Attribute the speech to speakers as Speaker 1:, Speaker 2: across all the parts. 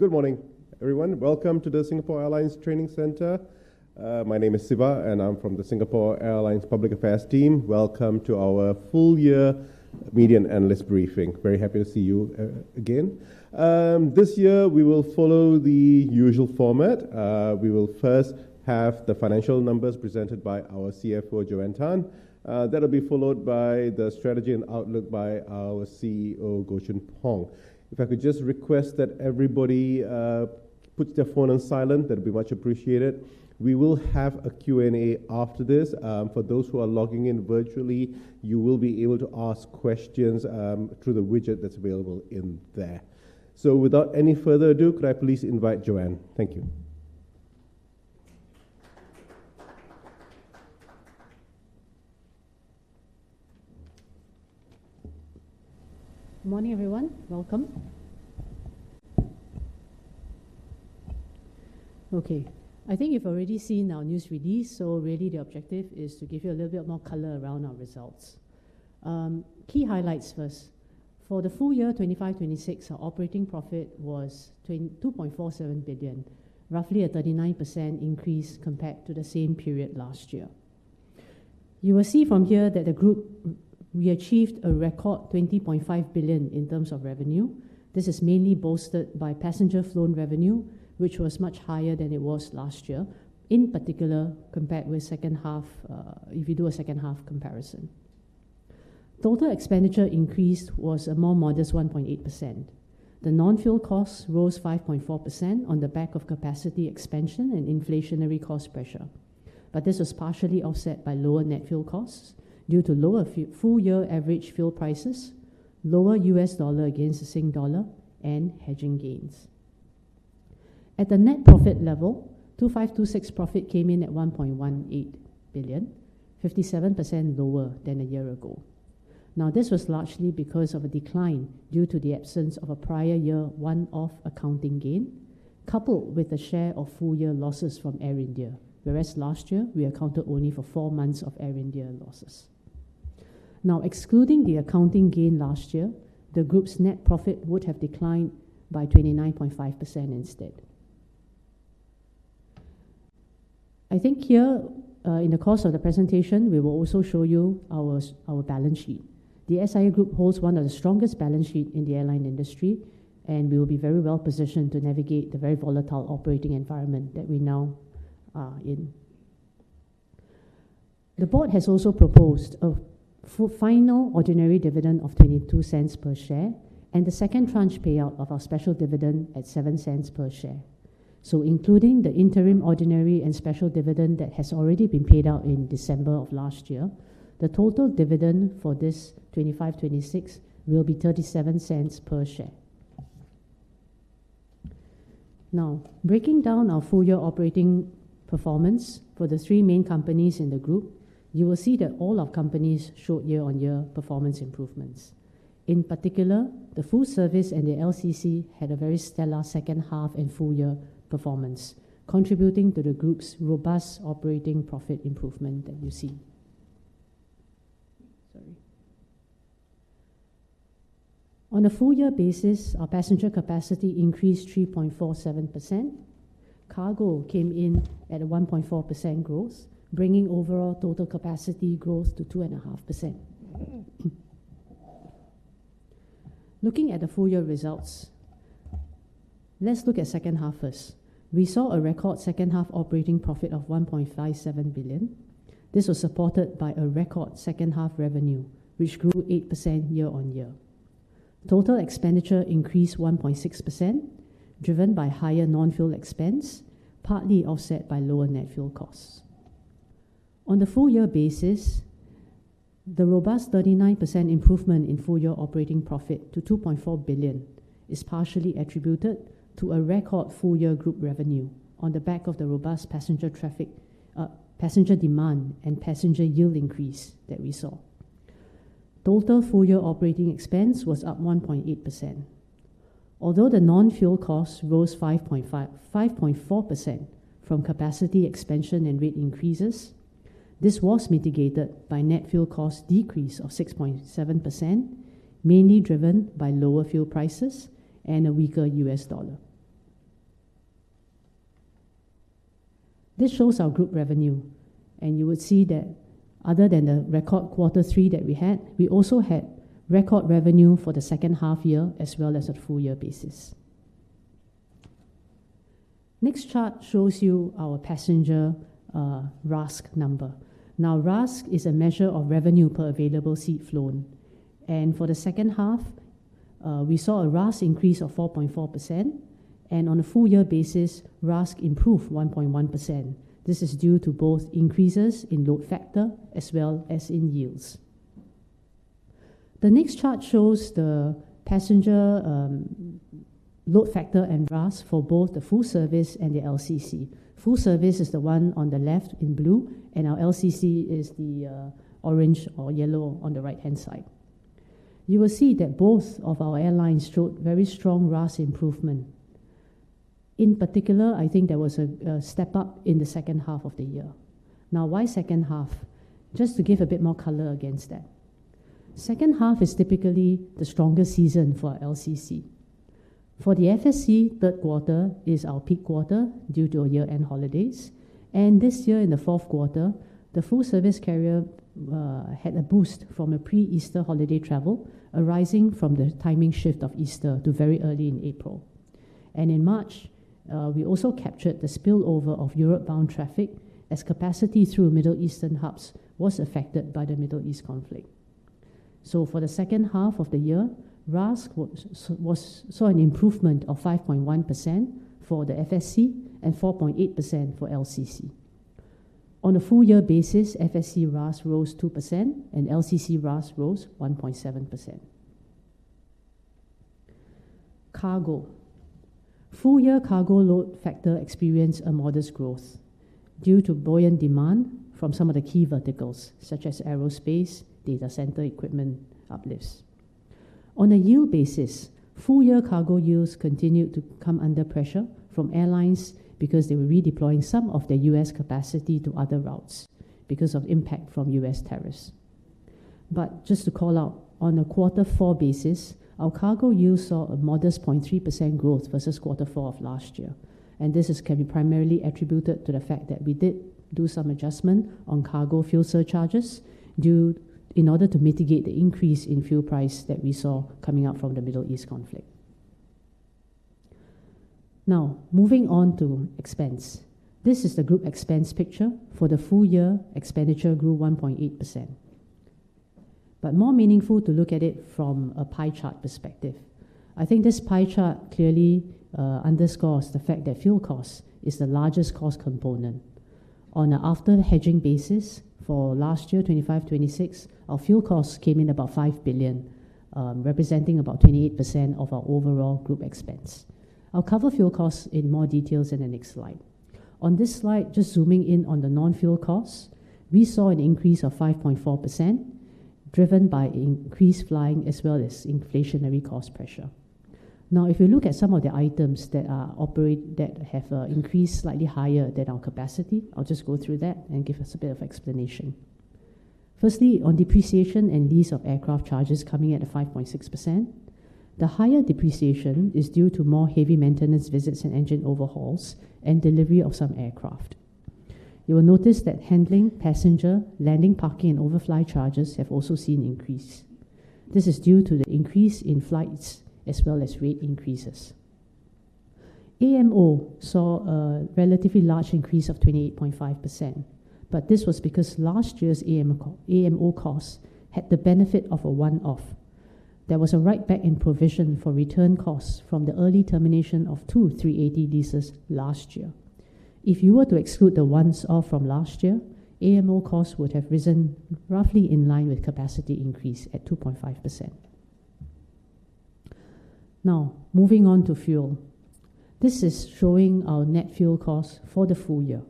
Speaker 1: Good morning, everyone. Welcome to the Singapore Airlines Training Centre. My name is Siva, and I'm from the Singapore Airlines Public Affairs team. Welcome to our full year media and analyst briefing. Very happy to see you again. This year we will follow the usual format. We will first have the financial numbers presented by our CFO, Jo-Ann Tan. That'll be followed by the strategy and outlook by our CEO, Goh Choon Phong. If I could just request that everybody puts their phone on silent, that'd be much appreciated. We will have a Q&A after this. For those who are logging in virtually, you will be able to ask questions through the widget that's available in there. Without any further ado, could I please invite Jo-Ann? Thank you.
Speaker 2: Morning, everyone. Welcome. I think you've already seen our news release. The objective is to give you a little bit more color around our results. Key highlights first. For the full year 2025, 2026, our operating profit was 2.47 billion, roughly a 39% increase compared to the same period last year. You will see from here that the group achieved a record 20.5 billion in terms of revenue. This is mainly bolstered by passenger flown revenue, which was much higher than it was last year, in particular compared with second half, if you do a second half comparison. Total expenditure increase was a more modest 1.8%. The non-fuel costs rose 5.4% on the back of capacity expansion and inflationary cost pressure. This was partially offset by lower net fuel costs due to lower full-year average fuel prices, lower U.S. dollar against the Sing dollar, and hedging gains. At the net profit level, 2025-2026 profit came in at 1.18 billion, 57% lower than a year ago. Now, this was largely because of a decline due to the absence of a prior year one-off accounting gain, coupled with the share of full-year losses from Air India. Whereas last year, we accounted only for four months of Air India losses. Now, excluding the accounting gain last year, the group's net profit would have declined by 29.5% instead. I think here, in the course of the presentation, we will also show you our balance sheet. The SIA Group holds one of the strongest balance sheet in the airline industry, and we will be very well-positioned to navigate the very volatile operating environment that we now are in. The board has also proposed a final ordinary dividend of 0.22 per share and the second tranche payout of our special dividend at 0.07 per share. Including the interim ordinary and special dividend that has already been paid out in December of last year, the total dividend for this 2025, 2026 will be 0.37 per share. Breaking down our full-year operating performance for the three main companies in the group, you will see that all our companies showed year-on-year performance improvements. In particular, the full service and the LCC had a very stellar second half and full year performance, contributing to the group's robust operating profit improvement that you see. Sorry. On a full-year basis, our passenger capacity increased 3.47%. Cargo came in at a 1.4% growth, bringing overall total capacity growth to 2.5%. Looking at the full-year results, let's look at second half first. We saw a record second half operating profit of 1.57 billion. This was supported by a record second half revenue, which grew 8% year-over-year. Total expenditure increased 1.6%, driven by higher non-fuel expense, partly offset by lower net fuel costs. On the full-year basis, the robust 39% improvement in full-year operating profit to 2.4 billion is partially attributed to a record full-year group revenue on the back of the robust passenger traffic, passenger demand and passenger yield increase that we saw. Total full-year operating expense was up 1.8%. Although the non-fuel cost rose 5.4% from capacity expansion and rate increases, this was mitigated by net fuel cost decrease of 6.7%, mainly driven by lower fuel prices and a weaker U.S. dollar. This shows our group revenue. You would see that other than the record quarter 3 that we had, we also had record revenue for the second half-year as well as a full-year basis. Next chart shows you our passenger RASK number. RASK is a measure of revenue per available seat flown. For the second half, we saw a RASK increase of 4.4%. On a full-year basis, RASK improved 1.1%. This is due to both increases in load factor as well as in yields. The next chart shows the passenger load factor and RASK for both the full service and the LCC. Full service is the one on the left in blue, our LCC is the orange or yellow on the right-hand side. You will see that both of our airlines showed very strong RASK improvement. In particular, I think there was a step up in the second half of the year. Why second half? Just to give a bit more color against that. Second half is typically the strongest season for LCC. For the FSC, third quarter is our peak quarter due to our year-end holidays. This year in the fourth quarter, the full service carrier had a boost from a pre-Easter holiday travel arising from the timing shift of Easter to very early in April. In March, we also captured the spillover of Europe-bound traffic as capacity through Middle Eastern hubs was affected by the Middle East conflict. For the second half of the year, RASK saw an improvement of 5.1% for the FSC and 4.8% for LCC. On a full-year basis, FSC RASK rose 2% and LCC RASK rose 1.7%. Cargo. Full-year cargo load factor experienced a modest growth due to buoyant demand from some of the key verticals, such as aerospace, data center equipment uplifts. On a yield basis, full-year cargo yields continued to come under pressure from airlines because they were redeploying some of their U.S. capacity to other routes because of impact from U.S. tariffs. Just to call out, on a Q4 basis, our cargo yield saw a modest 0.3% growth versus Q4 of last year, this can be primarily attributed to the fact that we did do some adjustment on cargo fuel surcharges in order to mitigate the increase in fuel price that we saw coming out from the Middle East conflict. Moving on to expense. This is the group expense picture. For the full year, expenditure grew 1.8%. More meaningful to look at it from a pie chart perspective. I think this pie chart clearly underscores the fact that fuel cost is the largest cost component. On a after hedging basis for last year, 2025, 2026, our fuel costs came in about 5 billion, representing about 28% of our overall group expense. I'll cover fuel costs in more details in the next slide. On this slide, just zooming in on the non-fuel costs, we saw an increase of 5.4% driven by increased flying as well as inflationary cost pressure. Now, if you look at some of the items that have increased slightly higher than our capacity, I'll just go through that and give us a bit of explanation. Firstly, on depreciation and lease of aircraft charges coming at a 5.6%, the higher depreciation is due to more heavy maintenance visits and engine overhauls and delivery of some aircraft. You will notice that handling passenger landing, parking, and overfly charges have also seen increase. This is due to the increase in flights as well as rate increases. MRO saw a relatively large increase of 28.5%. This was because last year's MRO costs had the benefit of a one-off. There was a write-back in provision for return costs from the early termination of two 380 leases last year. If you were to exclude the one-off from last year, MRO costs would have risen roughly in line with capacity increase at 2.5%. Now, moving on to fuel. This is showing our net fuel costs for the full year.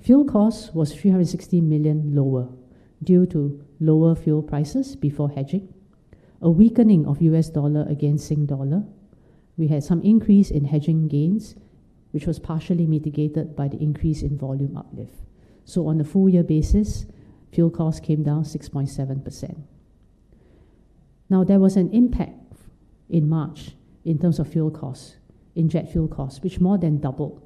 Speaker 2: Fuel costs was 360 million lower due to lower fuel prices before hedging, a weakening of U.S. dollar against Sing Dollar. We had some increase in hedging gains, which was partially mitigated by the increase in volume uplift. On a full year basis, fuel costs came down 6.7%. There was an impact in March in terms of fuel costs, in jet fuel costs, which more than doubled.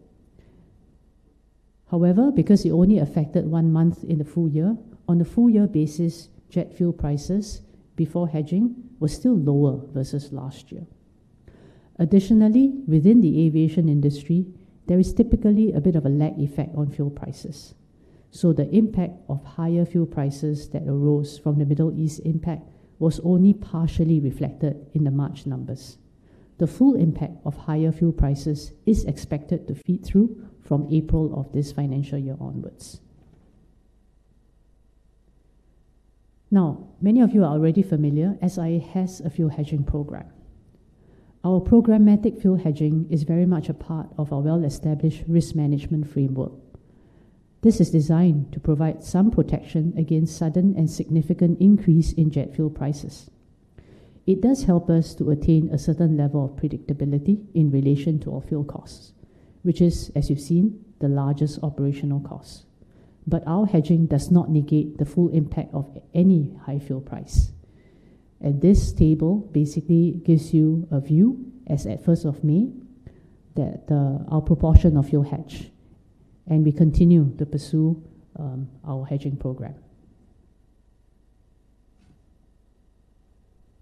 Speaker 2: However, because it only affected one month in the full year, on a full year basis, jet fuel prices before hedging were still lower versus last year. Additionally, within the aviation industry, there is typically a bit of a lag effect on fuel prices. The impact of higher fuel prices that arose from the Middle East impact was only partially reflected in the March numbers. The full impact of higher fuel prices is expected to feed through from April of this financial year onwards. Now, many of you are already familiar, SIA has a fuel hedging program. Our programmatic fuel hedging is very much a part of our well-established risk management framework. This is designed to provide some protection against sudden and significant increase in jet fuel prices. It does help us to attain a certain level of predictability in relation to our fuel costs, which is, as you've seen, the largest operational cost. Our hedging does not negate the full impact of any high fuel price. This table basically gives you a view as at May 1st that our proportion of fuel hedge, and we continue to pursue our hedging program.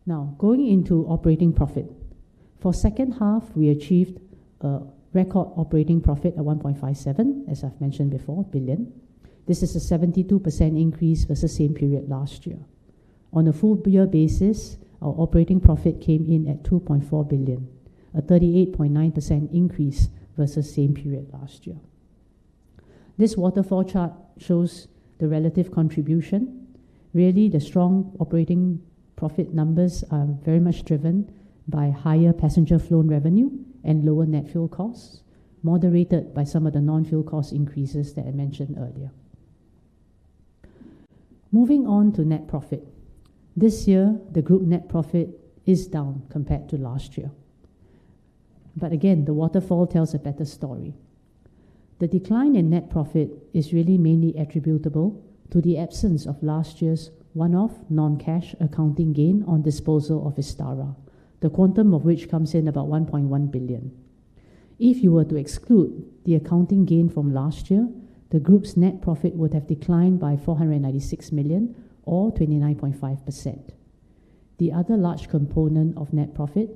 Speaker 2: Now, going into operating profit. For second half, we achieved a record operating profit at 1.57, as I've mentioned before, billion. This is a 72% increase versus same period last year. On a full year basis, our operating profit came in at SGD 2.4 billion, a 38.9% increase versus same period last year. This waterfall chart shows the relative contribution. Really, the strong operating profit numbers are very much driven by higher passenger flown revenue and lower net fuel costs, moderated by some of the non-fuel cost increases that I mentioned earlier. Moving on to net profit. This year, the group net profit is down compared to last year. Again, the waterfall tells a better story. The decline in net profit is really mainly attributable to the absence of last year's one-off non-cash accounting gain on disposal of Vistara, the quantum of which comes in about 1.1 billion. If you were to exclude the accounting gain from last year, the group's net profit would have declined by 496 million or 29.5%. The other large component of net profit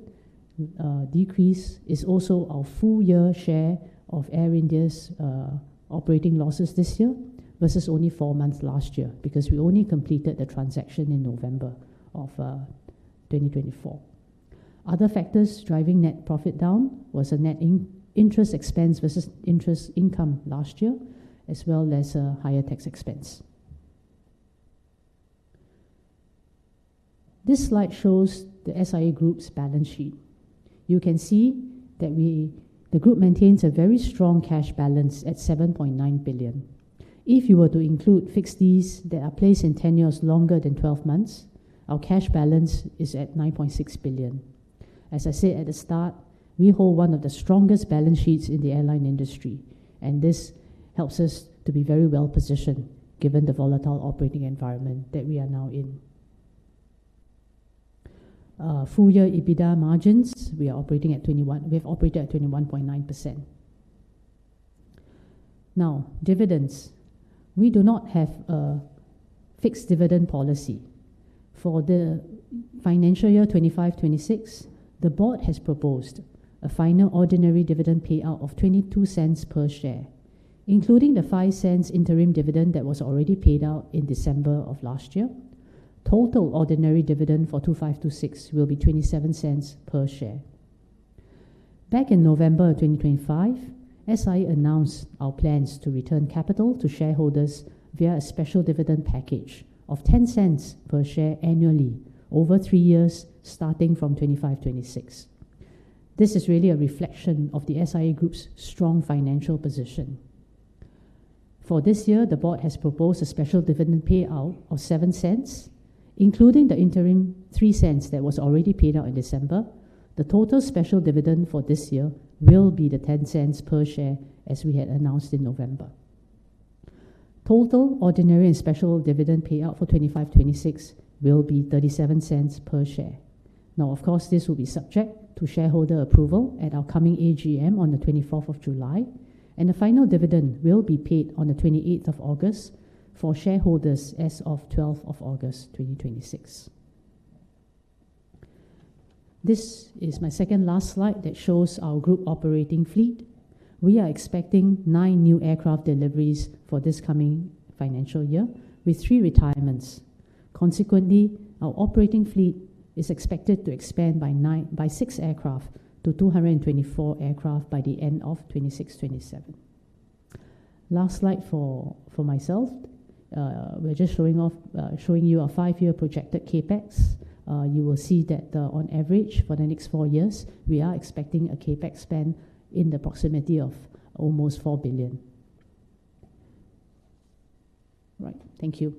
Speaker 2: decrease is also our full-year share of Air India's operating losses this year versus only four months last year because we only completed the transaction in November of 2024. Other factors driving net profit down was a net interest expense versus interest income last year, as well as a higher tax expense. This slide shows the SIA Group's balance sheet. You can see that the group maintains a very strong cash balance at 7.9 billion. If you were to include fixed deposits that are placed in tenures longer than 12 months, our cash balance is at 9.6 billion. As I said at the start, we hold one of the strongest balance sheets in the airline industry, and this helps us to be very well-positioned given the volatile operating environment that we are now in. Full-year EBITDA margins, we have operated at 21.9%. Now, dividends. We do not have a fixed dividend policy. For the financial year 2025, 2026, the board has proposed a final ordinary dividend payout of 0.22 per share, including the 0.05 interim dividend that was already paid out in December of last year. Total ordinary dividend for 2025, 2026 will be 0.27 per share. Back in November of 2025, SIA announced our plans to return capital to shareholders via a special dividend package of 0.10 per share annually over three years starting from 2025, 2026. This is really a reflection of the SIA Group's strong financial position. For this year, the board has proposed a special dividend payout of 0.07, including the interim 0.03 that was already paid out in December. The total special dividend for this year will be the 0.10 per share as we had announced in November. Total ordinary and special dividend payout for 2025, 2026 will be 0.37 per share. Now, of course, this will be subject to shareholder approval at our coming AGM on the 24th of July, and the final dividend will be paid on the 28th of August for shareholders as of 12th of August 2026. This is my second last slide that shows our group operating fleet. We are expecting nine new aircraft deliveries for this coming financial year with three retirements. Consequently, our operating fleet is expected to expand by six aircraft to 224 aircraft by the end of 2026, 2027. Last slide for myself. We're just showing off, showing you our five-year projected CapEx. You will see that, on average for the next four years, we are expecting a CapEx spend in the proximity of almost 4 billion. Right. Thank you.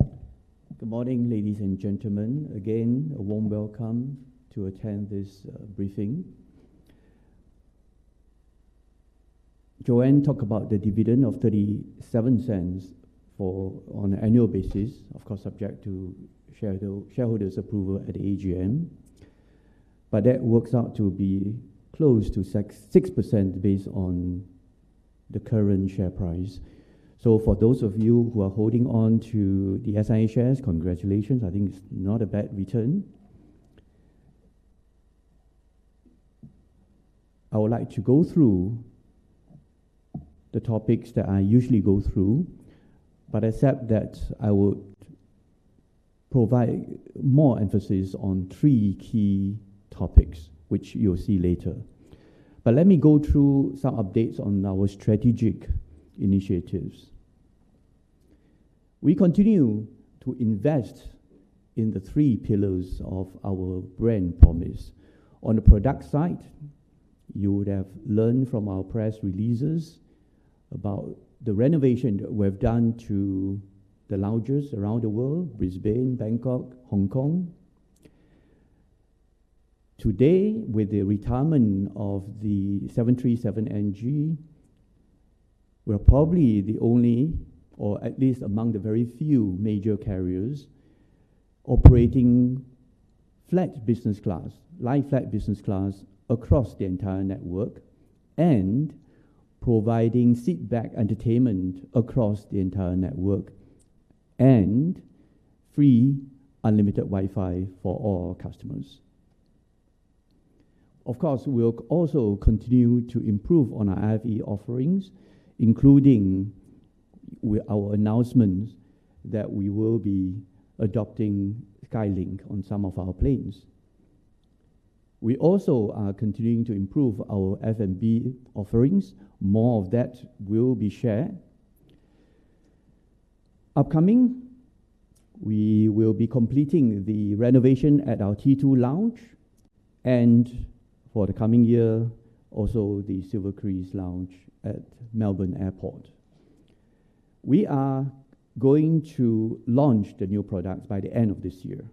Speaker 3: Good morning, ladies and gentlemen. Again, a warm welcome to attend this briefing. Jo-Ann talked about the dividend of 0.37 on an annual basis, of course, subject to shareholders' approval at the AGM. That works out to be close to 6.6% based on the current share price. For those of you who are holding on to the SIA shares, congratulations. I think it's not a bad return. I would like to go through the topics that I usually go through, except that I would provide more emphasis on three key topics, which you'll see later. Let me go through some updates on our strategic initiatives. We continue to invest in the three pillars of our brand promise. On the product side, you would have learned from our press releases about the renovation that we have done to the lounges around the world, Brisbane, Bangkok, Hong Kong. Today, with the retirement of the 737NG, we are probably the only or at least among the very few major carriers operating flat business class, lie-flat business class across the entire network and providing seat back entertainment across the entire network and free unlimited Wi-Fi for all customers. Of course, we'll also continue to improve on our IFE offerings, including our announcements that we will be adopting Starlink on some of our planes. We also are continuing to improve our F&B offerings. More of that will be shared. Upcoming, we will be completing the renovation at our T2 lounge and for the coming year, also the SilverKris lounge at Melbourne Airport. We are going to launch the new product by the end of this year.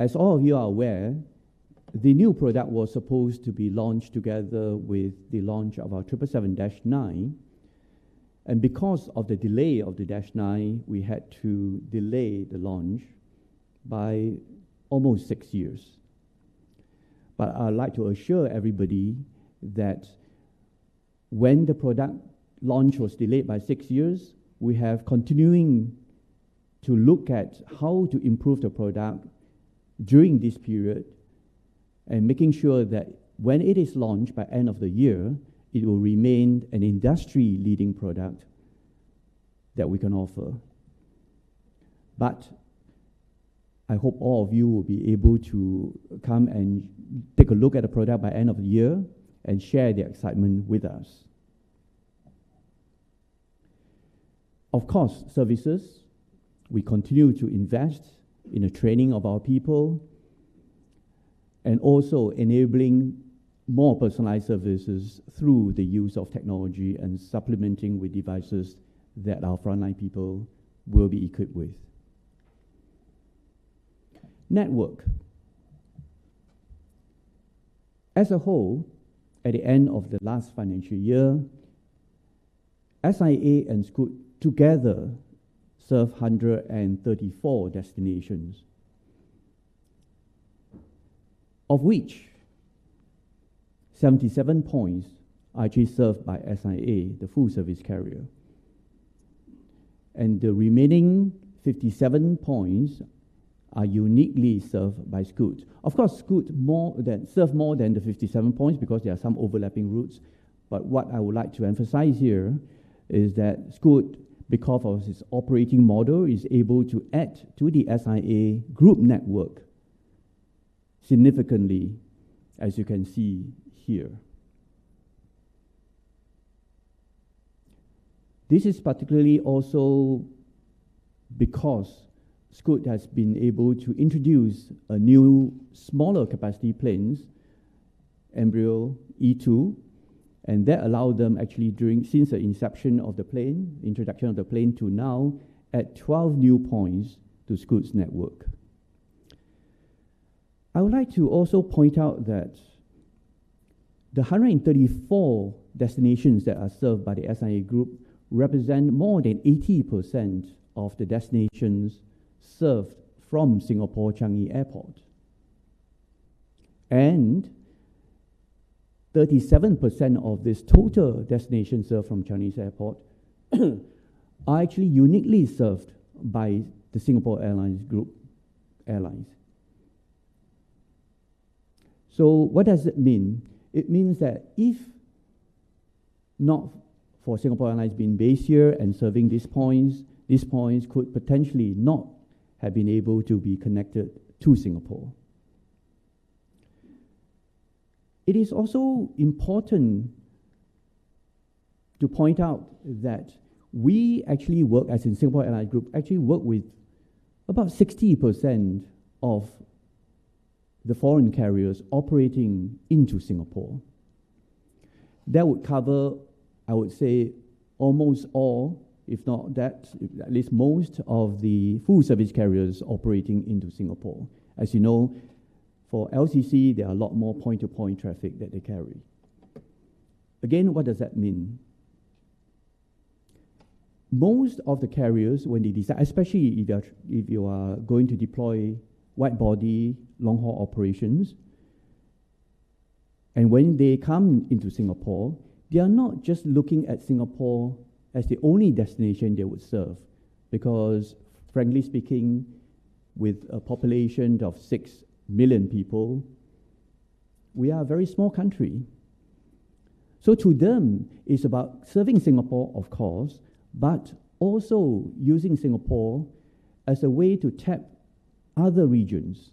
Speaker 3: As all of you are aware, the new product was supposed to be launched together with the launch of our 777-9. Because of the delay of the -9, we had to delay the launch by almost six years. I would like to assure everybody that when the product launch was delayed by six years, we have continuing to look at how to improve the product during this period and making sure that when it is launched by end of the year, it will remain an industry-leading product that we can offer. I hope all of you will be able to come and take a look at the product by end of the year and share the excitement with us. Of course, services, we continue to invest in the training of our people and also enabling more personalized services through the use of technology and supplementing with devices that our frontline people will be equipped with. Network. As a whole, at the end of the last financial year, SIA and Scoot together served 134 destinations, of which 77 points are actually served by SIA, the full service carrier. The remaining 57 points are uniquely served by Scoot. Of course, Scoot serve more than the 57 points because there are some overlapping routes. What I would like to emphasize here is that Scoot, because of its operating model, is able to add to the SIA Group network significantly, as you can see here. This is particularly also because Scoot has been able to introduce a new smaller capacity planes, Embraer E2, and that allowed them actually during, since the inception of the plane, introduction of the plane to now add 12 new points to Scoot's network. I would like to also point out that the 134 destinations that are served by the SIA Group represent more than 80% of the destinations served from Singapore Changi Airport. 37% of this total destination served from Changi Airport are actually uniquely served by the Singapore Airlines Group Airlines. What does it mean? It means that if not for Singapore Airlines being based here and serving these points, these points could potentially not have been able to be connected to Singapore. It is also important to point out that we actually work as in Singapore Airlines Group, actually work with about 60% of the foreign carriers operating into Singapore. That would cover, I would say, almost all, if not that, at least most of the full service carriers operating into Singapore. As you know, for LCC, there are a lot more point-to-point traffic that they carry. Again, what does that mean? Most of the carriers when they decide, especially if you are going to deploy wide body long-haul operations, and when they come into Singapore, they are not just looking at Singapore as the only destination they would serve. Because frankly speaking, with a population of 6 million people, we are a very small country. To them, it's about serving Singapore, of course, but also using Singapore as a way to tap other regions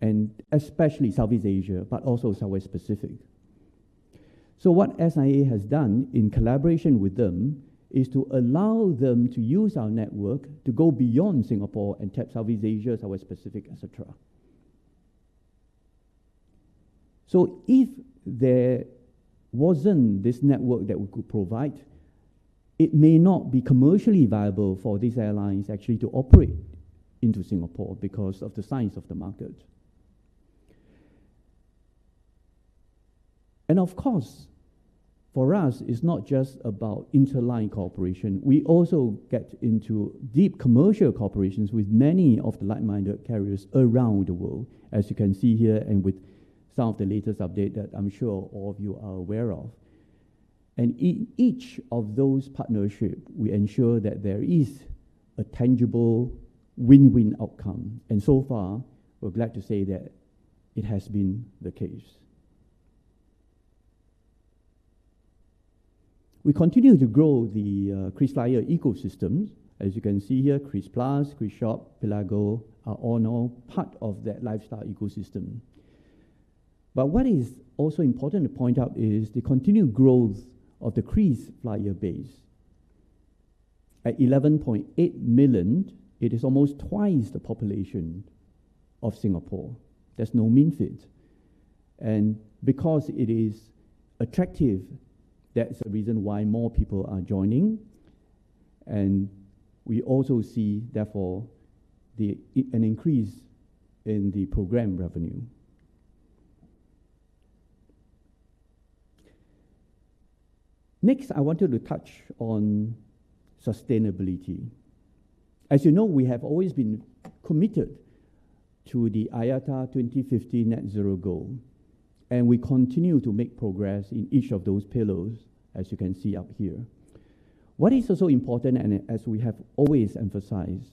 Speaker 3: and especially Southeast Asia, but also South West Pacific. What SIA has done in collaboration with them is to allow them to use our network to go beyond Singapore and tap Southeast Asia, South West Pacific, et cetera. If there wasn't this network that we could provide, it may not be commercially viable for these airlines actually to operate into Singapore because of the size of the market. Of course, for us, it's not just about interline cooperation. We also get into deep commercial cooperations with many of the like-minded carriers around the world, as you can see here, and with some of the latest update that I'm sure all of you are aware of. In each of those partnership, we ensure that there is a tangible win-win outcome. So far, we're glad to say that it has been the case. We continue to grow the KrisFlyer ecosystems. As you can see here, Kris+, KrisShop, Pelago are all now part of that lifestyle ecosystem. What is also important to point out is the continued growth of the KrisFlyer base. At 11.8 million, it is almost twice the population of Singapore. That's no mean feat. Because it is attractive, that's the reason why more people are joining. We also see, therefore, an increase in the program revenue. Next, I wanted to touch on sustainability. As you know, we have always been committed to the IATA 2050 net zero goal, and we continue to make progress in each of those pillars, as you can see up here. What is also important, and as we have always emphasized,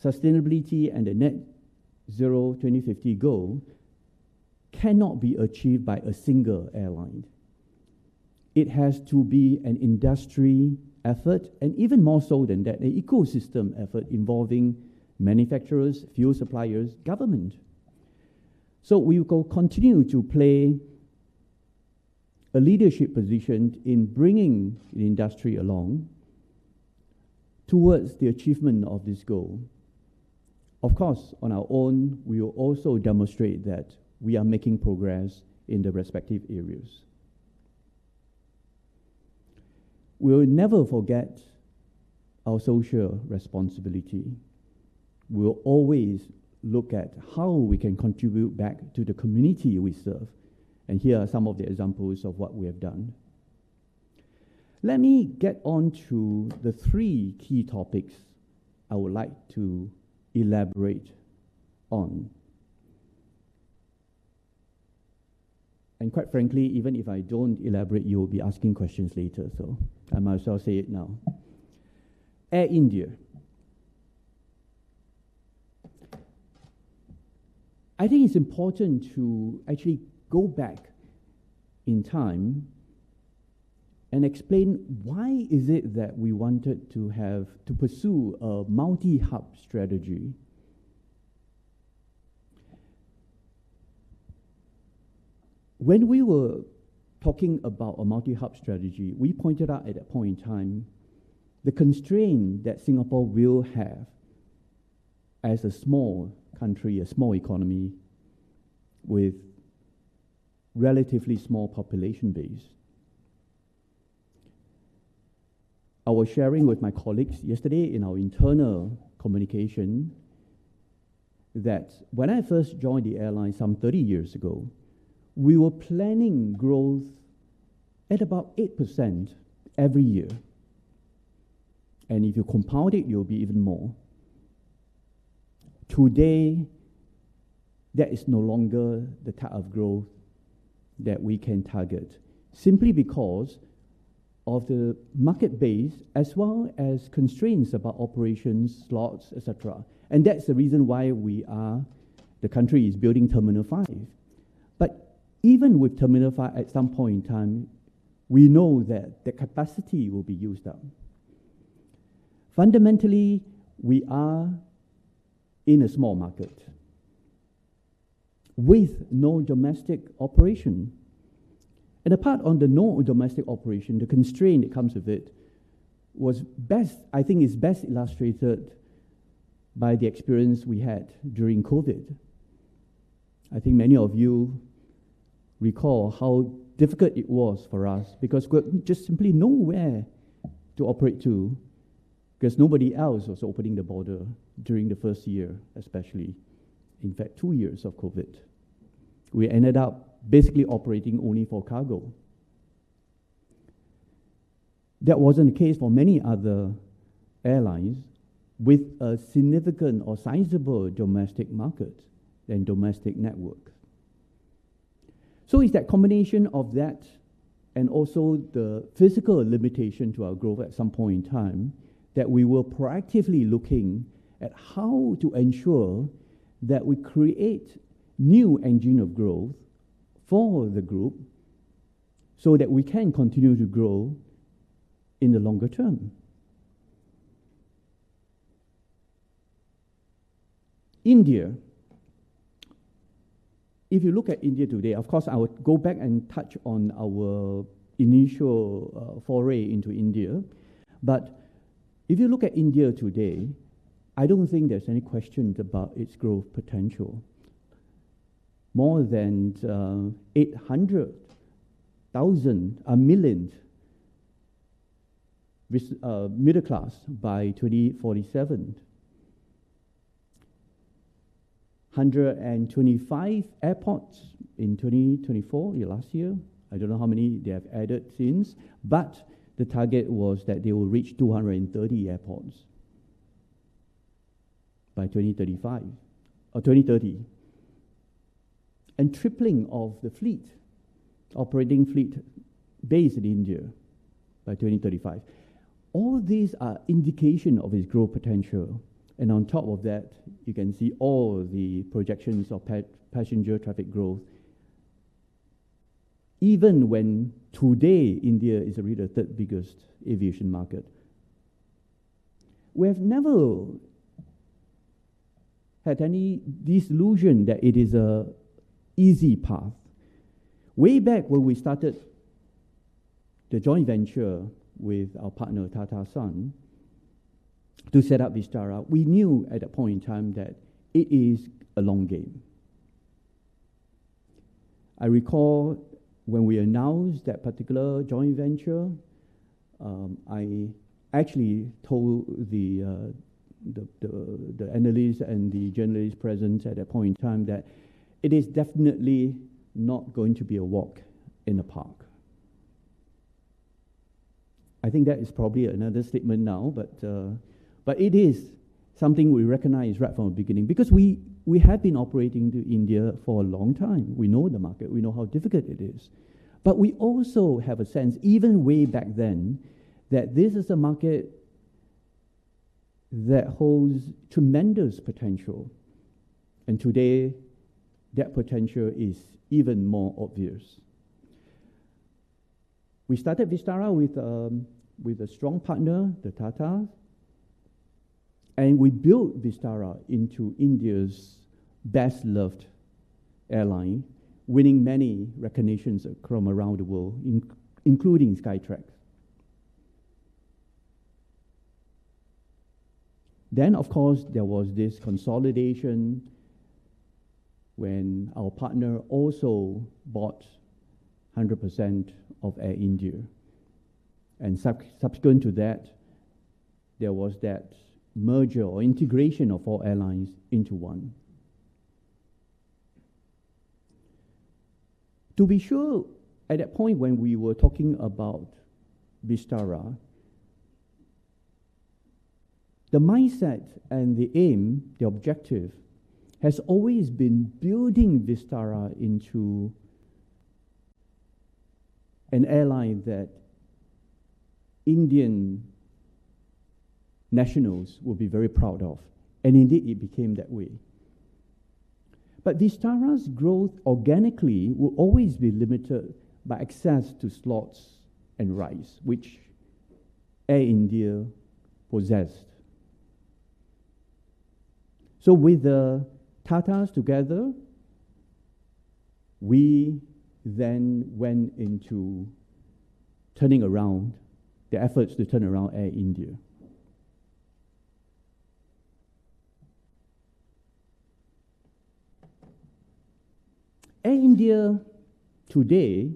Speaker 3: sustainability and the net zero 2050 goal cannot be achieved by a single airline. It has to be an industry effort, and even more so than that, an ecosystem effort involving manufacturers, fuel suppliers, government. We will go continue to play a leadership position in bringing the industry along towards the achievement of this goal. Of course, on our own, we will also demonstrate that we are making progress in the respective areas. We will never forget our social responsibility. We will always look at how we can contribute back to the community we serve. Here are some of the examples of what we have done. Let me get on to the three key topics I would like to elaborate on. Quite frankly, even if I don't elaborate, you will be asking questions later, so I might as well say it now. Air India. I think it's important to actually go back in time and explain why is it that we wanted to pursue a multi-hub strategy. When we were talking about a multi-hub strategy, we pointed out at that point in time the constraint that Singapore will have as a small country, a small economy with relatively small population base. I was sharing with my colleagues yesterday in our internal communication that when I first joined the airline some 30 years ago, we were planning growth at about 8% every year. If you compound it will be even more. Today, that is no longer the type of growth that we can target simply because of the market base as well as constraints about operations, slots, etc. That's the reason why the country is building Terminal 5. Even with Terminal 5, at some point in time, we know that the capacity will be used up. Fundamentally, we are in a small market with no domestic operation. Apart on the no domestic operation, the constraint that comes with it was best illustrated by the experience we had during COVID. I think many of you recall how difficult it was for us because we had just simply nowhere to operate to because nobody else was opening the border during the first year, especially, in fact, two years of COVID. We ended up basically operating only for cargo. That wasn't the case for many other airlines with a significant or sizable domestic market and domestic network. It's that combination of that and also the physical limitation to our growth at some point in time that we were proactively looking at how to ensure that we create new engine of growth for the group so that we can continue to grow in the longer term. India. If you look at India today, of course, I would go back and touch on our initial foray into India. If you look at India today, I don't think there's any questions about its growth potential. More than 800,000 million middle class by 2047. 125 airports in 2024, last year. I don't know how many they have added since, but the target was that they will reach 230 airports by 2035 or 2030. Tripling of the fleet, operating fleet based in India by 2035. All these are indication of its growth potential. On top of that, you can see all the projections of passenger traffic growth. Even when today India is really the third biggest aviation market. We have never had any delusion that it is an easy path. Way back when we started the joint venture with our partner Tata Sons to set up Vistara, we knew at that point in time that it is a long game. I recall when we announced that particular joint venture, I actually told the analysts and the journalists present at that point in time that it is definitely not going to be a walk in the park. I think that is probably another statement now, but it is something we recognized right from the beginning because we had been operating to India for a long time. We know the market. We know how difficult it is. We also have a sense, even way back then, that this is a market that holds tremendous potential, and today, that potential is even more obvious. We started Vistara with a strong partner, the Tatas, and we built Vistara into India's best-loved airline, winning many recognitions from around the world, including Skytrax. Then of course, there was this consolidation when our partner also bought 100% of Air India. Subsequent to that, there was that merger or integration of all airlines into one. To be sure, at that point when we were talking about Vistara, the mindset and the aim, the objective, has always been building Vistara into an airline that Indian nationals will be very proud of, and indeed, it became that way. Vistara's growth organically will always be limited by access to slots and rights, which Air India possessed. With the Tatas together, we then went into turning around the efforts to turn around Air India. Air India today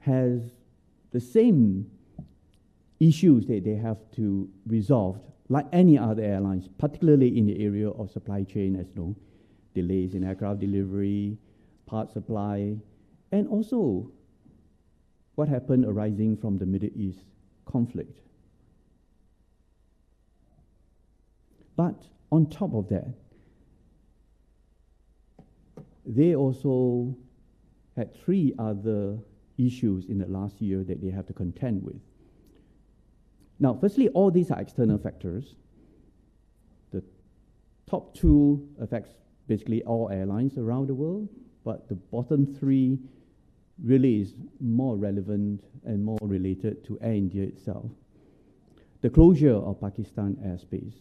Speaker 3: has the same issues that they have to resolve like any other airlines, particularly in the area of supply chain, as you know, delays in aircraft delivery, parts supply, and also what happened arising from the Middle East conflict. On top of that, they also had three other issues in the last year that they have to contend with. Firstly, all these are external factors. The top two affects basically all airlines around the world, but the bottom three really is more relevant and more related to Air India itself. The closure of Pakistan airspace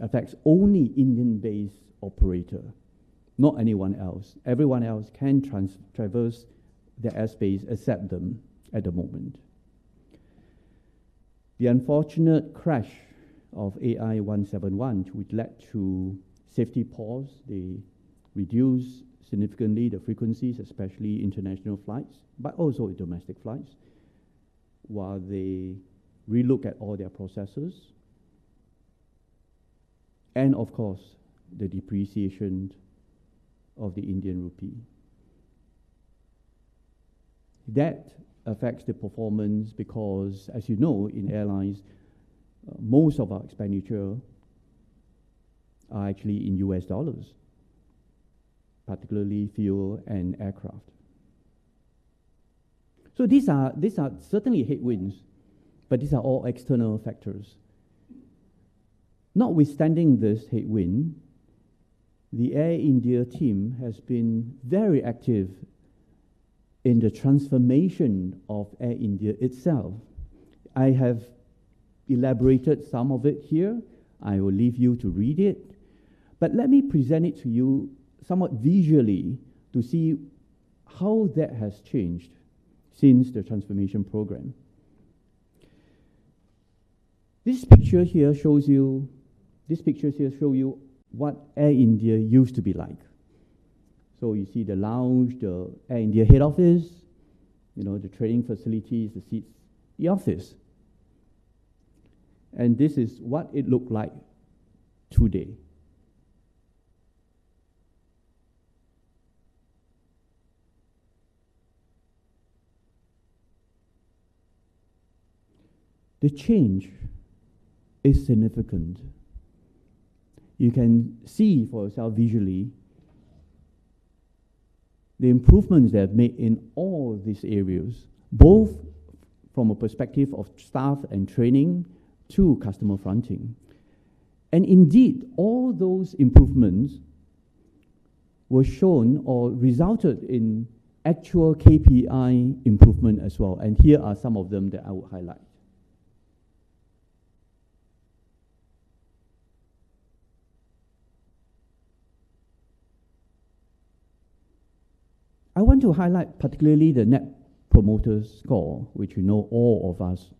Speaker 3: affects only Indian-based operator, not anyone else. Everyone else can traverse their airspace except them at the moment. The unfortunate crash of AI171, which led to safety pause. They reduced significantly the frequencies, especially international flights, but also domestic flights, while they relook at all their processes. Of course, the depreciation of the Indian rupee. That affects the performance because, as you know, in airlines, most of our expenditure are actually in U.S. dollars, particularly fuel and aircraft. These are certainly headwinds, but these are all external factors. Notwithstanding this headwind, the Air India team has been very active in the transformation of Air India itself. I have elaborated some of it here. I will leave you to read it. Let me present it to you somewhat visually to see how that has changed since the transformation program. This picture here show you what Air India used to be like. So you see the lounge, the Air India head office, you know, the training facilities, the seats, the office. This is what it look like today. The change is significant. You can see for yourself visually the improvements they have made in all these areas, both from a perspective of staff and training to customer fronting. Indeed, all those improvements were shown or resulted in actual KPI improvement as well, and here are some of them that I would highlight. I want to highlight particularly the Net Promoter Score, which you know all of us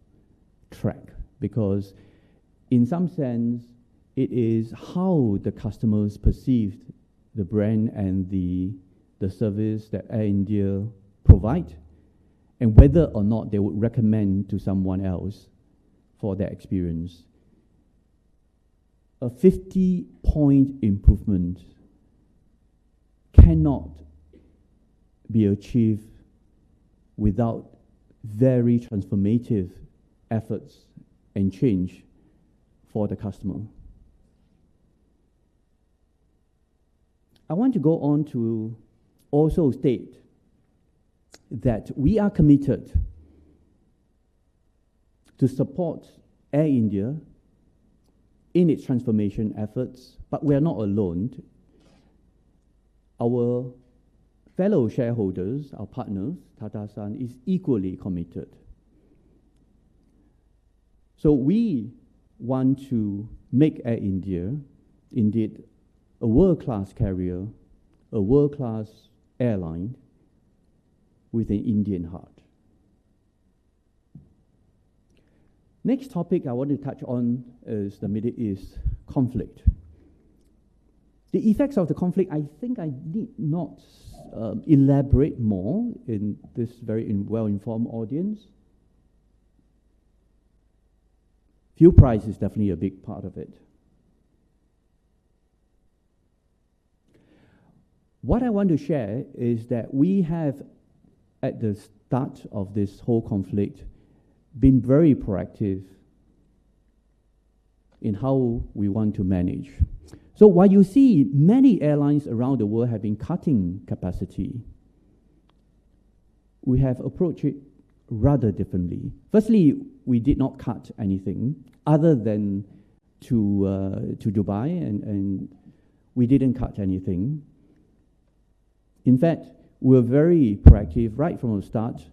Speaker 3: track, because in some sense it is how the customers perceived the brand and the service that Air India provides and whether or not they would recommend to someone else for their experience. A 50-point improvement cannot be achieved without very transformative efforts and change for the customer. I want to go on to also state that we are committed to support Air India in its transformation efforts, but we are not alone. Our fellow shareholders, our partners, Tata Sons, is equally committed. We want to make Air India indeed a world-class carrier, a world-class airline with an Indian heart. Next topic I want to touch on is the Middle East conflict. The effects of the conflict, I think I need not elaborate more in this very well-informed audience. Fuel price is definitely a big part of it. What I want to share is that we have, at the start of this whole conflict, been very proactive in how we want to manage. While you see many airlines around the world have been cutting capacity, we have approached it rather differently. Firstly, we did not cut anything other than to Dubai and we didn't cut anything. In fact, we were very proactive right from the start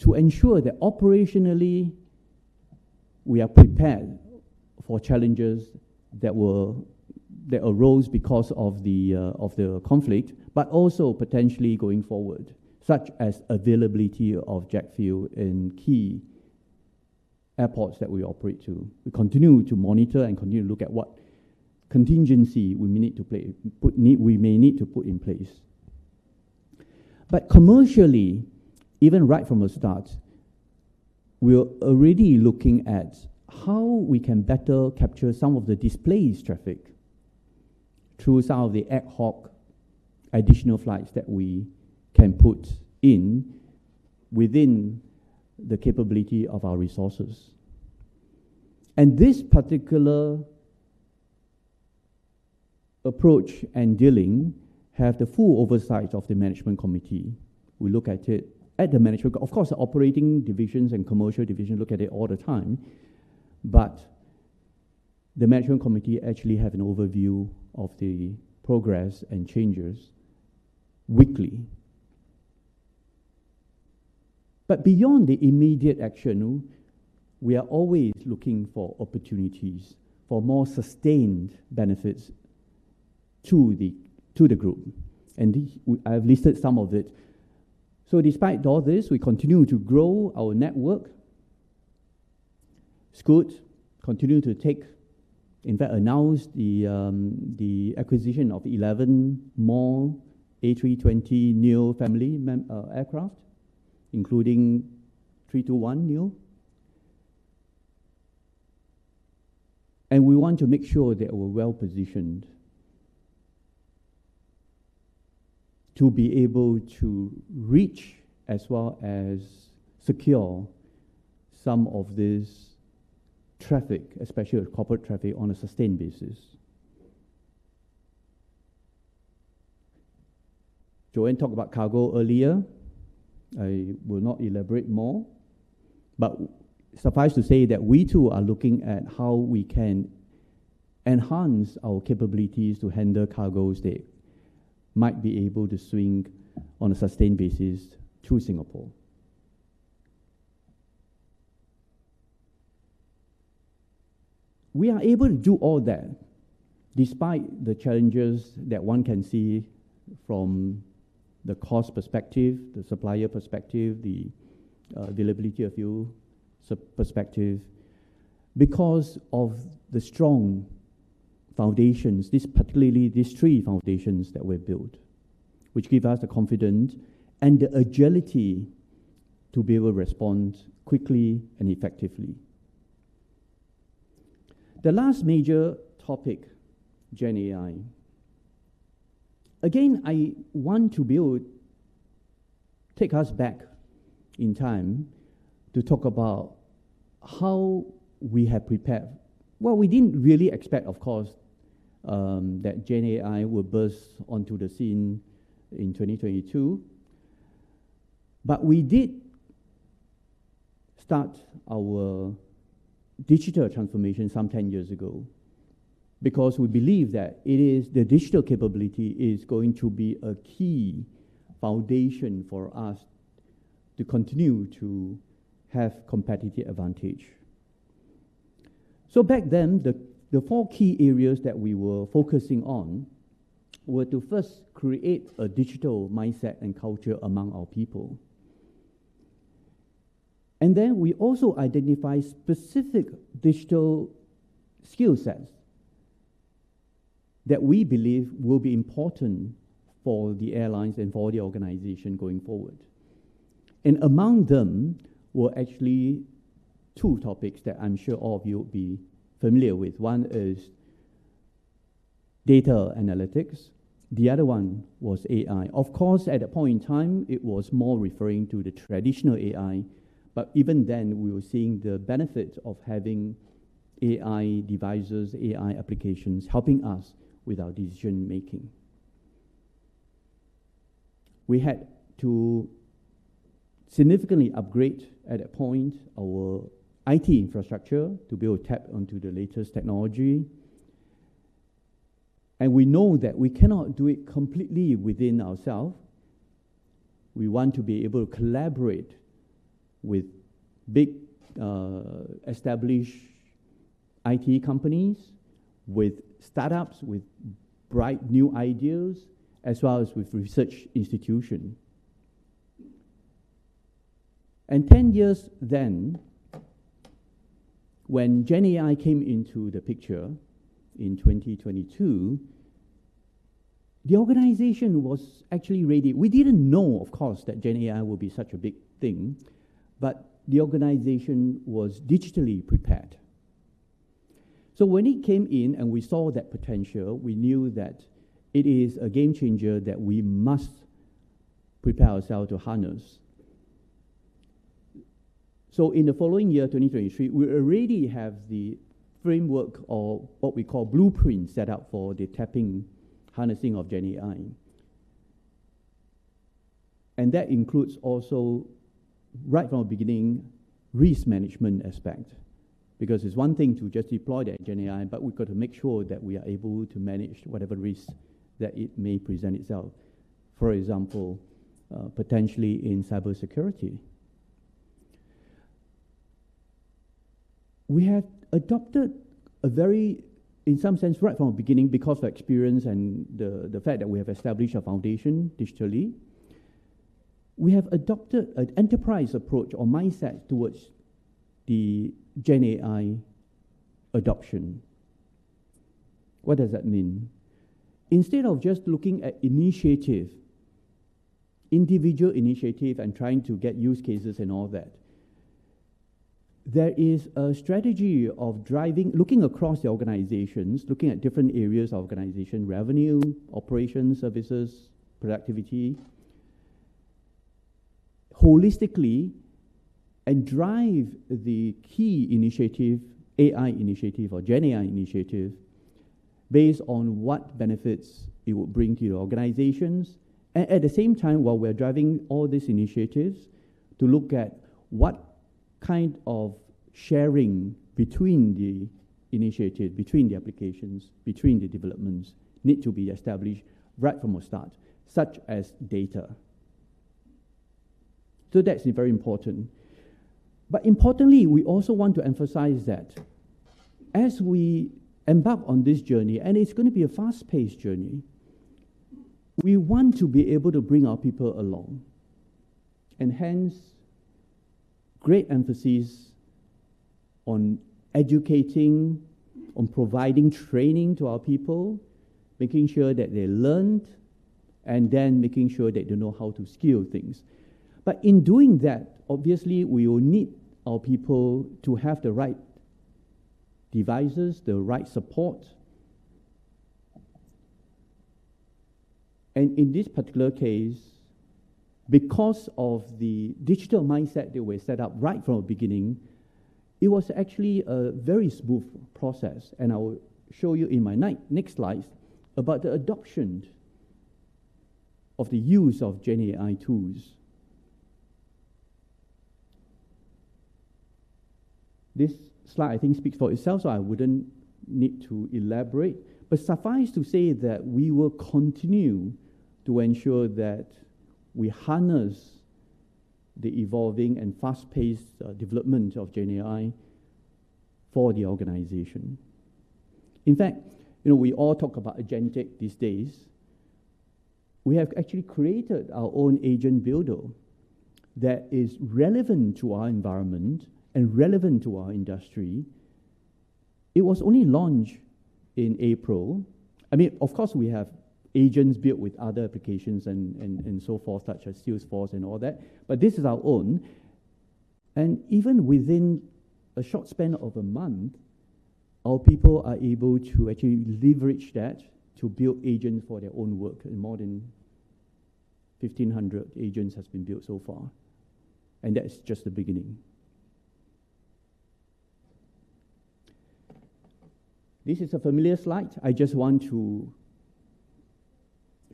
Speaker 3: to ensure that operationally we are prepared for challenges that arose because of the conflict, but also potentially going forward, such as availability of jet fuel in key airports that we operate to. We continue to monitor and continue to look at what contingency we may need to put in place. Commercially, even right from the start, we are already looking at how we can better capture some of the displaced traffic through some of the ad hoc additional flights that we can put in within the capability of our resources. This particular approach and dealing have the full oversight of the management committee. We look at it at the management. Of course, the operating divisions and commercial division look at it all the time, but the management committee actually have an overview of the progress and changes weekly. Beyond the immediate action, we are always looking for opportunities for more sustained benefits to the group. I have listed some of it. Despite all this, we continue to grow our network. Scoot continue to take, in fact, announce the acquisition of 11 more A320neo family aircraft, including A321neo. We want to make sure that we're well-positioned to be able to reach as well as secure some of this traffic, especially corporate traffic, on a sustained basis. Jo-Ann talked about cargo earlier. I will not elaborate more. Suffice to say that we too are looking at how we can enhance our capabilities to handle cargoes that might be able to swing on a sustained basis through Singapore. We are able to do all that despite the challenges that one can see from the cost perspective, the supplier perspective, the availability of fuel perspective because of the strong foundations, this particularly these three foundations that we've built, which give us the confidence and the agility to be able to respond quickly and effectively. The last major topic, GenAI. Again, I want to take us back in time to talk about how we have prepared. We didn't really expect, of course, that Gen AI would burst onto the scene in 2022, but we did start our digital transformation some 10 years ago because we believe that the digital capability is going to be a key foundation for us to continue to have competitive advantage. Back then, the four key areas that we were focusing on were to first create a digital mindset and culture among our people. Then we also identify specific digital skill sets that we believe will be important for the airlines and for the organization going forward. Among them were actually two topics that I'm sure all of you will be familiar with. One is data analytics, the other one was AI. Of course, at that point in time, it was more referring to the traditional AI. Even then, we were seeing the benefits of having AI devices, AI applications helping us with our decision-making. We had to significantly upgrade at that point our IT infrastructure to be able to tap onto the latest technology. We know that we cannot do it completely within ourself. We want to be able to collaborate with big, established IT companies, with startups, with bright new ideas, as well as with research institution. 10 years then, when GenAI came into the picture in 2022, the organization was actually ready. We didn't know, of course, that GenAI would be such a big thing, but the organization was digitally prepared. When it came in and we saw that potential, we knew that it is a game changer that we must prepare ourself to harness. In the following year, 2023, we already have the framework or what we call blueprint set up for the tapping, harnessing of GenAI. That includes also right from the beginning risk management aspect. Because it's one thing to just deploy the GenAI, but we've got to make sure that we are able to manage whatever risk that it may present itself. For example, potentially in cybersecurity. We have adopted in some sense, right from the beginning, because of experience and the fact that we have established a foundation digitally, we have adopted an enterprise approach or mindset towards the GenAI adoption. What does that mean? Instead of just looking at initiative, individual initiative and trying to get use cases and all that, there is a strategy of driving looking across the organizations, looking at different areas of organization, revenue, operations, services, productivity holistically, and drive the key initiative, AI initiative or GenAI initiative based on what benefits it will bring to your organizations. At the same time, while we're driving all these initiatives to look at what kind of sharing between the initiative, between the applications, between the developments need to be established right from the start, such as data. That's very important. Importantly, we also want to emphasize that as we embark on this journey, and it's gonna be a fast-paced journey, we want to be able to bring our people along, and hence great emphasis on educating, on providing training to our people, making sure that they learned, and then making sure that they know how to scale things. In doing that, obviously, we will need our people to have the right devices, the right support. In this particular case, because of the digital mindset that we set up right from the beginning, it was actually a very smooth process, and I will show you in my next slide about the adoption of the use of GenAI tools. This slide, I think, speaks for itself, so I wouldn't need to elaborate. Suffice to say that we will continue to ensure that we harness the evolving and fast-paced development of GenAI for the organization. In fact, you know, we all talk about agentic these days. We have actually created our own agent builder that is relevant to our environment and relevant to our industry. It was only launched in April. I mean, of course, we have agents built with other applications and so forth, such as Salesforce and all that, but this is our own. Even within a short span of a month, our people are able to actually leverage that to build agent for their own work. More than 1,500 agents has been built so far, and that's just the beginning. This is a familiar slide. I just want to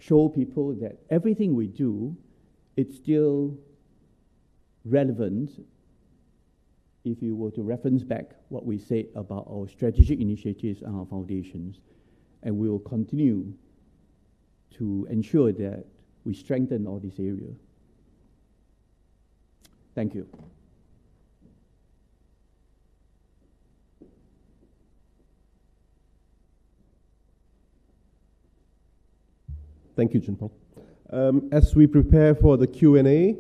Speaker 3: show people that everything we do, it's still relevant if you were to reference back what we said about our strategic initiatives and our foundations. We will continue to ensure that we strengthen all this area. Thank you.
Speaker 1: Thank you, Choon Phong. As we prepare for the Q&A,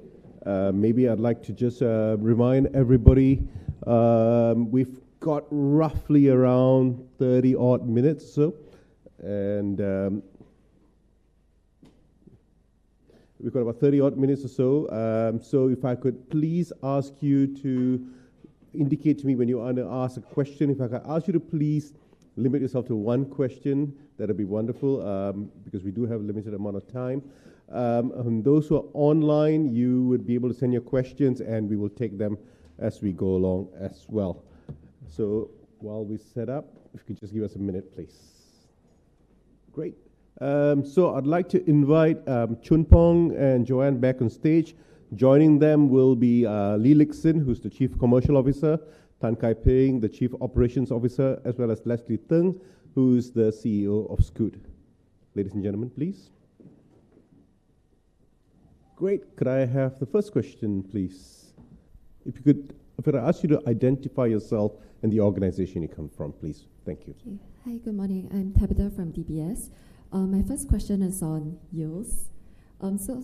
Speaker 1: maybe I'd like to just remind everybody, we've got roughly around 30 odd minutes or so. We've got about 30 odd minutes or so. If I could please ask you to indicate to me when you want to ask a question. If I could ask you to please limit yourself to one question, that'd be wonderful, because we do have a limited amount of time. Those who are online, you would be able to send your questions, and we will take them as we go along as well. While we set up, if you could just give us a minute, please. Great. I'd like to invite Choon Phong and Jo-Ann back on stage. Joining them will be Lee Lik Hsin, who's the Chief Commercial Officer, Tan Kai Ping, the Chief Operations Officer, as well as Leslie Thng, who is the CEO of Scoot. Ladies and gentlemen, please. Great. Could I have the first question, please? If I could ask you to identify yourself and the organization you come from, please. Thank you.
Speaker 4: Okay. Hi. Good morning. I'm Tabitha from DBS. My first question is on yields.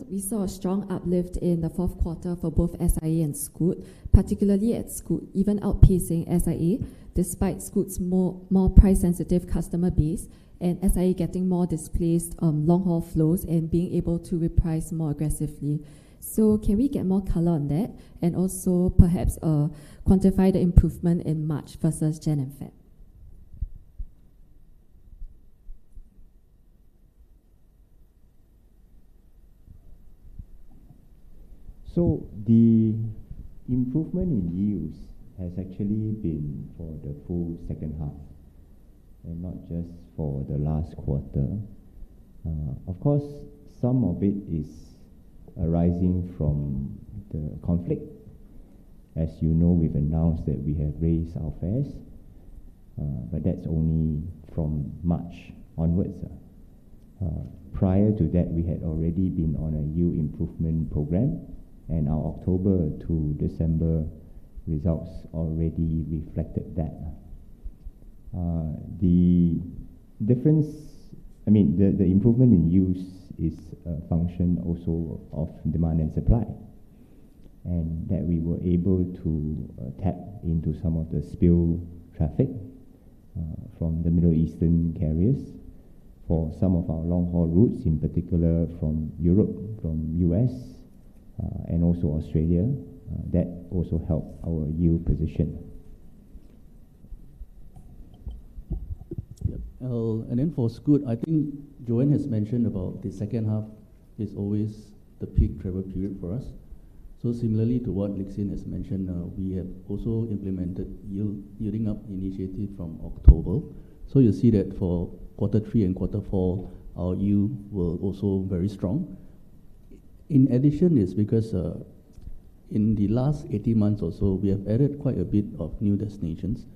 Speaker 4: We saw a strong uplift in the fourth quarter for both SIA and Scoot, particularly at Scoot, even outpacing SIA, despite Scoot's more price-sensitive customer base and SIA getting more displaced, long-haul flows and being able to reprice more aggressively. Can we get more color on that? Also perhaps, quantify the improvement in March versus Jan and Feb?
Speaker 5: The improvement in yields has actually been for the full second half and not just for the last quarter. Of course, some of it is arising from the conflict. As you know, we've announced that we have raised our fares, that's only from March onwards. Prior to that, we had already been on a yield improvement program, our October to December results already reflected that. I mean, the improvement in yields is a function also of demand and supply, that we were able to tap into some of the spill traffic from the Middle Eastern carriers for some of our long-haul routes, in particular from Europe, from U.S., and also Australia. That also helped our yield position.
Speaker 6: Yep. For Scoot, I think Jo-Ann has mentioned about the second half is always the peak travel period for us. Similarly to what Lee Lik Hsin has mentioned, we have also implemented yielding up initiative from October. You see that for quarter three and quarter four, our yield were also very strong. In addition, it's because in the last 18 months or so, we have added quite a bit of new destinations.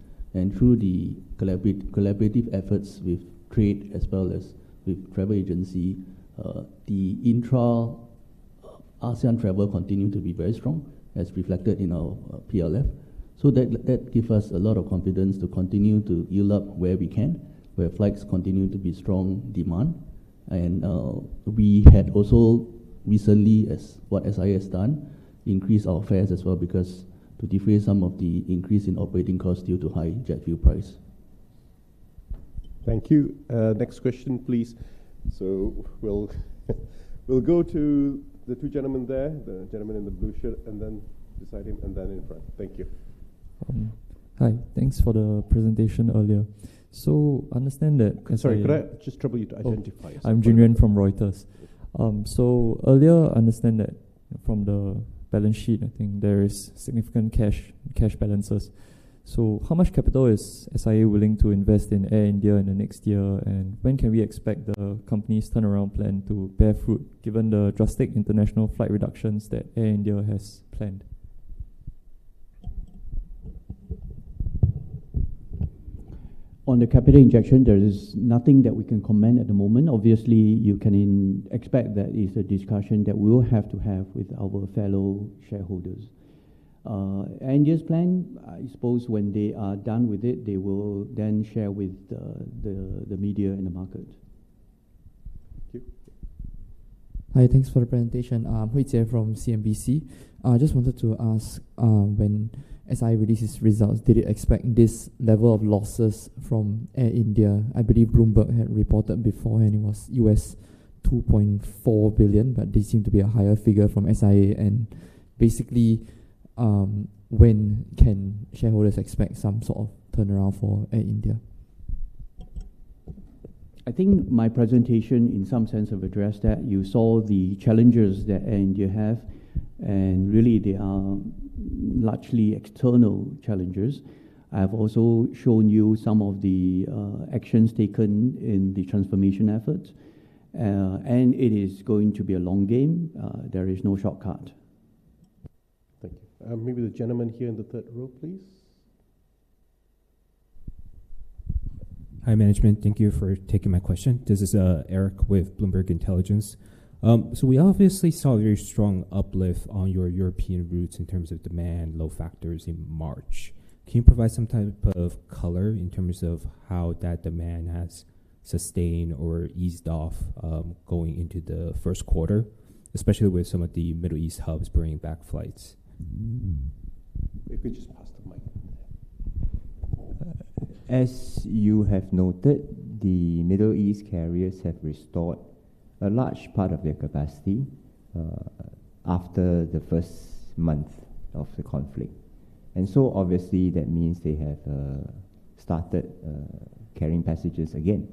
Speaker 6: Through the collaborative efforts with trade as well as with travel agency, the intra-ASEAN travel continued to be very strong, as reflected in our PLF. That give us a lot of confidence to continue to yield up where we can, where flights continue to be strong demand. We had also recently, as what SIA has done, increased our fares as well because to defray some of the increase in operating costs due to high jet fuel price.
Speaker 1: Thank you. Next question, please. We'll go to the two gentlemen there, the gentleman in the blue shirt and then beside him and then in front. Thank you.
Speaker 7: Hi. Thanks for the presentation earlier.
Speaker 1: Sorry, could I just trouble you to identify yourself?
Speaker 7: I'm Jun Yuan from Reuters. Earlier, I understand that from the balance sheet, I think there is significant cash balances. How much capital is SIA willing to invest in Air India in the next year? When can we expect the company's turnaround plan to bear fruit, given the drastic international flight reductions that Air India has planned?
Speaker 3: On the capital injection, there is nothing that we can comment at the moment. Obviously, you can expect that it's a discussion that we will have to have with our fellow shareholders. Air India's plan, I suppose when they are done with it, they will then share with the media and the market.
Speaker 1: Thank you.
Speaker 8: Hi. Thanks for the presentation. I'm Hui Jie from CNBC. I just wanted to ask, when SIA released its results, did you expect this level of losses from Air India? I believe Bloomberg had reported beforehand it was 2.4 billion, this seemed to be a higher figure from SIA. Basically, when can shareholders expect some sort of turnaround for Air India?
Speaker 3: I think my presentation in some sense have addressed that. You saw the challenges that, and you have, and really they are largely external challenges. I have also shown you some of the actions taken in the transformation efforts. It is going to be a long game. There is no shortcut.
Speaker 8: Thank you.
Speaker 1: Maybe the gentleman here in the third row, please.
Speaker 9: Hi, management. Thank you for taking my question. This is Eric with Bloomberg Intelligence. We obviously saw a very strong uplift on your European routes in terms of demand load factors in March. Can you provide some type of color in terms of how that demand has sustained or eased off going into the first quarter, especially with some of the Middle East hubs bringing back flights?
Speaker 1: Mm-hmm. If we just pass the mic there.
Speaker 5: As you have noted, the Middle East carriers have restored a large part of their capacity after the 1st month of the conflict. Obviously that means they have started carrying passengers again.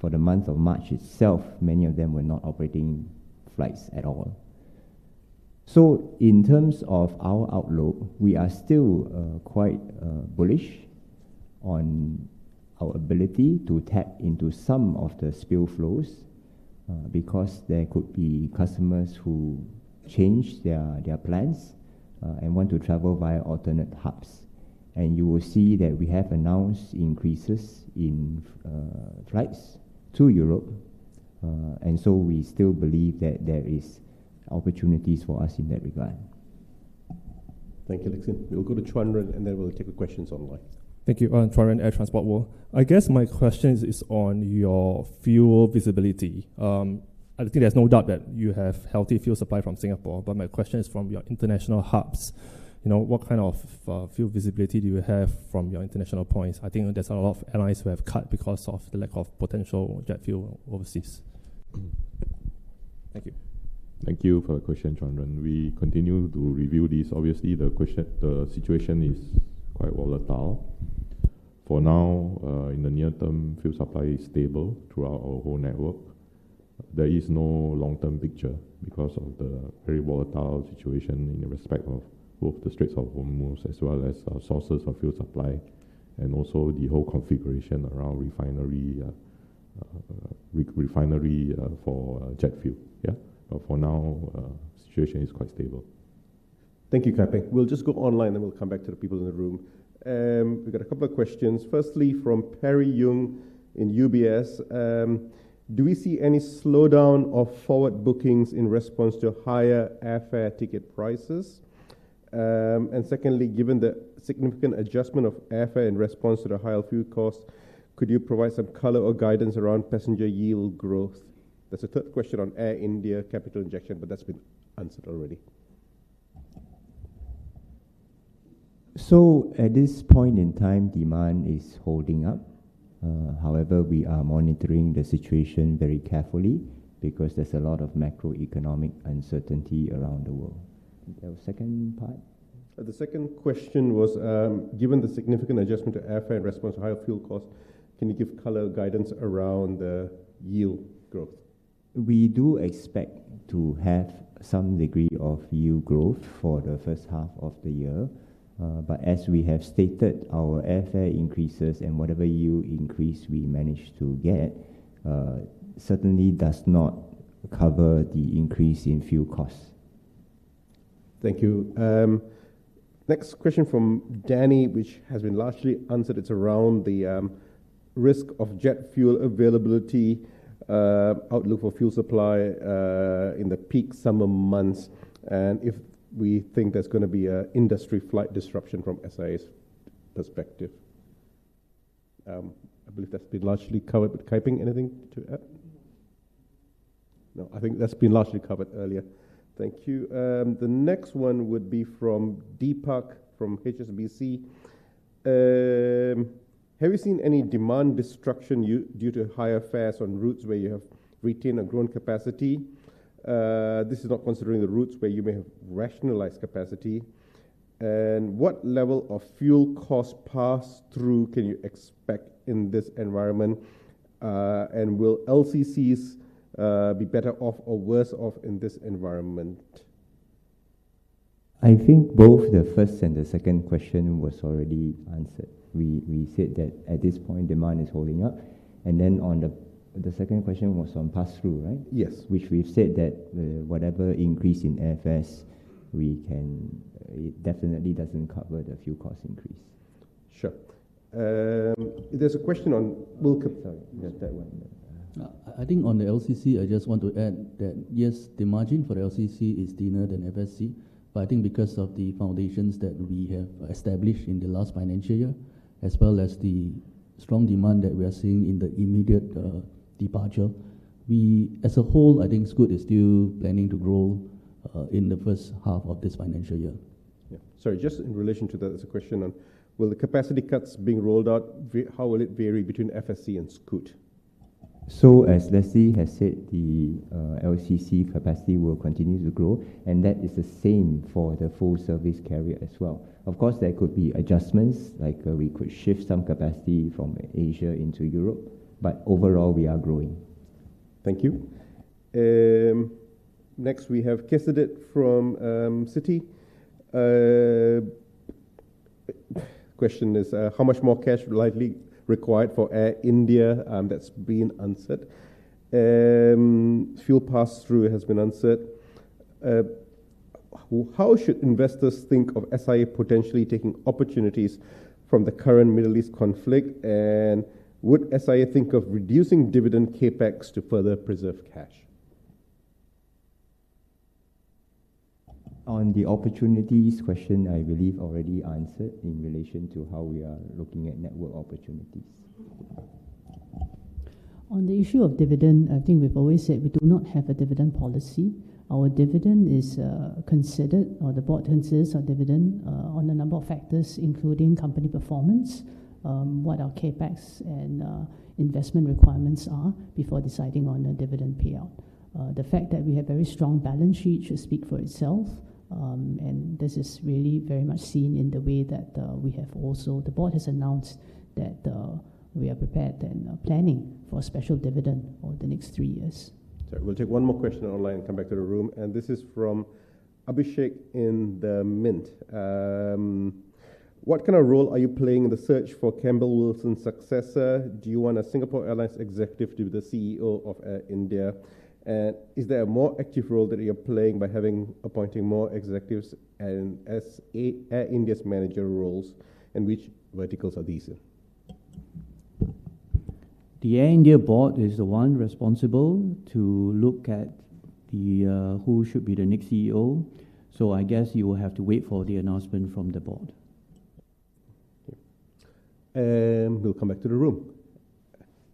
Speaker 5: For the month of March itself, many of them were not operating flights at all. In terms of our outlook, we are still quite bullish on our ability to tap into some of the spill flows because there could be customers who change their plans and want to travel via alternate hubs. You will see that we have announced increases in flights to Europe. We still believe that there is opportunities for us in that regard.
Speaker 1: Thank you, Lee Lik Hsin. We'll go to Chen Chuanren, and then we'll take the questions online.
Speaker 10: Thank you. Chen Chuanren, Air Transport World. I guess my question is on your fuel visibility. I think there's no doubt that you have healthy fuel supply from Singapore. My question is from your international hubs. You know, what kind of fuel visibility do you have from your international points? I think there's a lot of airlines who have cut because of the lack of potential jet fuel overseas.
Speaker 1: Thank you.
Speaker 11: Thank you for the question, Chuanren. We continue to review this. Obviously, the situation is quite volatile. For now, in the near term, fuel supply is stable throughout our whole network. There is no long-term picture because of the very volatile situation in respect of both the Straits of Hormuz as well as our sources of fuel supply and also the whole configuration around refinery for jet fuel. Yeah. For now, situation is quite stable.
Speaker 1: Thank you, Kai Ping. We'll just go online, and we'll come back to the people in the room. We've got a couple of questions. Firstly, from Perry Yung in UBS. Do we see any slowdown of forward bookings in response to higher airfare ticket prices? Secondly, given the significant adjustment of airfare in response to the higher fuel costs, could you provide some color or guidance around passenger yield growth? There's a third question on Air India capital injection, but that's been answered already.
Speaker 5: At this point in time, demand is holding up. However, we are monitoring the situation very carefully because there's a lot of macroeconomic uncertainty around the world. There was second part?
Speaker 1: The second question was, given the significant adjustment to airfare in response to higher fuel costs, can you give color guidance around the yield growth?
Speaker 5: We do expect to have some degree of yield growth for the first half of the year. As we have stated, our airfare increases and whatever yield increase we manage to get, certainly does not cover the increase in fuel costs.
Speaker 1: Thank you. Next question from Danny, which has been largely answered. It's around the risk of jet fuel availability, outlook for fuel supply, in the peak summer months, and if we think there's gonna be a industry flight disruption from SIA's perspective. I believe that's been largely covered, Kai Ping, anything to add?
Speaker 11: No.
Speaker 1: No, I think that's been largely covered earlier. Thank you. The next one would be from Deepak from HSBC. Have you seen any demand destruction due to higher fares on routes where you have retained or grown capacity? This is not considering the routes where you may have rationalized capacity. What level of fuel cost pass-through can you expect in this environment? Will LCCs be better off or worse off in this environment?
Speaker 5: I think both the first and the second question was already answered. We said that at this point, demand is holding up. On the second question was on pass-through, right?
Speaker 1: Yes.
Speaker 5: Which we've said that, whatever increase in air fares it definitely doesn't cover the fuel cost increase.
Speaker 1: Sure. There's a question on-
Speaker 5: Sorry. That one. Yeah.
Speaker 6: I think on the LCC, I just want to add that, yes, the margin for the LCC is thinner than FSC, but I think because of the foundations that we have established in the last financial year, as well as the strong demand that we are seeing in the immediate departure, we as a whole, I think Scoot is still planning to grow in the first half of this financial year.
Speaker 1: Yeah. Sorry, just in relation to that, there's a question on will the capacity cuts being rolled out how will it vary between FSC and Scoot?
Speaker 5: As Leslie has said, the LCC capacity will continue to grow, and that is the same for the full service carrier as well. Of course, there could be adjustments, like, we could shift some capacity from Asia into Europe, but overall, we are growing.
Speaker 1: Thank you. Next we have Kaseedit from Citi. Question is, how much more cash likely required for Air India, that's been answered. Fuel pass-through has been answered. How should investors think of SIA potentially taking opportunities from the current Middle East conflict? Would SIA think of reducing dividend CapEx to further preserve cash?
Speaker 5: On the opportunities question, I believe already answered in relation to how we are looking at network opportunities.
Speaker 2: On the issue of dividend, I think we've always said we do not have a dividend policy. Our dividend is considered or the board considers our dividend on a number of factors, including company performance, what our CapEx and investment requirements are before deciding on a dividend payout. The fact that we have very strong balance sheet should speak for itself. This is really very much seen in the way that the board has announced that we are prepared and are planning for a special dividend over the next three years.
Speaker 1: Sorry. We'll take one more question online and come back to the room, and this is from Abhishek in the Mint. What kind of role are you playing in the search for Campbell Wilson's successor? Do you want a Singapore Airlines executive to be the CEO of Air India? Is there a more active role that you're playing by having appointing more executives and as Air India's manager roles, and which verticals are these in?
Speaker 3: The Air India board is the one responsible to look at who should be the next CEO. I guess you will have to wait for the announcement from the board.
Speaker 1: Okay. We'll come back to the room.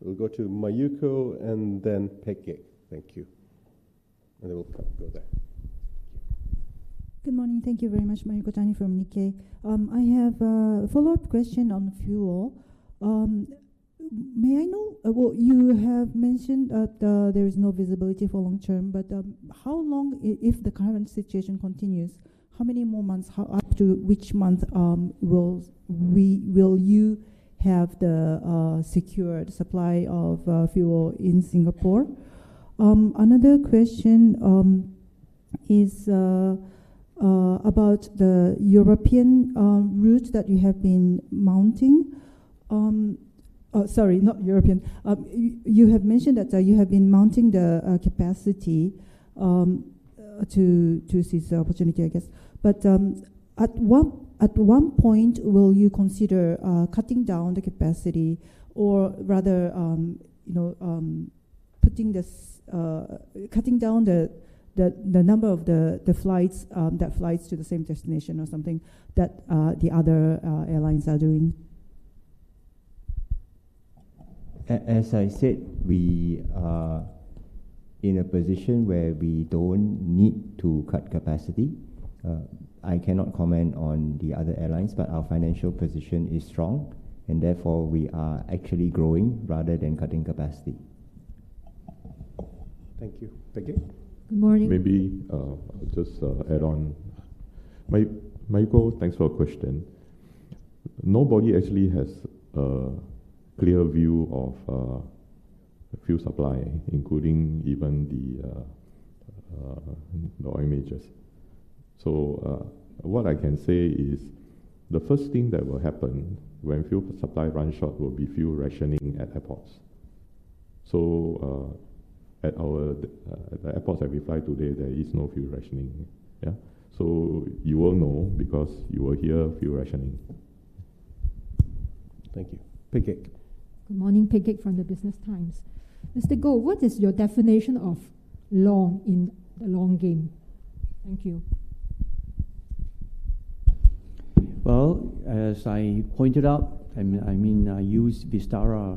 Speaker 1: We'll go to Mayuko and then Peck Gek. Thank you. Then we'll go there. Thank you.
Speaker 12: Good morning. Thank you very much. Mayuko Tani from Nikkei. I have a follow-up question on fuel. Well, you have mentioned that there is no visibility for long term, but how long, if the current situation continues, how many more months? Up to which month will you have the secured supply of fuel in Singapore? Another question is about the European route that you have been mounting. Oh, sorry, not European. You have mentioned that you have been mounting the capacity to seize the opportunity, I guess. At one point, will you consider cutting down the capacity or rather, you know, cutting down the number of the flights, that flights to the same destination or something that the other airlines are doing?
Speaker 5: As I said, we are in a position where we don't need to cut capacity. I cannot comment on the other airlines, but our financial position is strong, and therefore, we are actually growing rather than cutting capacity.
Speaker 1: Thank you. Peck Gek.
Speaker 13: Good morning.
Speaker 11: Maybe, I'll just add on. Mayuko, thanks for your question. Nobody actually has a clear view of fuel supply, including even the oil majors. What I can say is the first thing that will happen when fuel supply runs short will be fuel rationing at airports. At the airports that we fly today, there is no fuel rationing. You will know because you will hear fuel rationing.
Speaker 1: Thank you. Peck Gek.
Speaker 13: Good morning. Peck Gek from The Business Times. Mr. Goh, what is your definition of long in the long game? Thank you.
Speaker 3: Well, as I pointed out, I mean, I used Vistara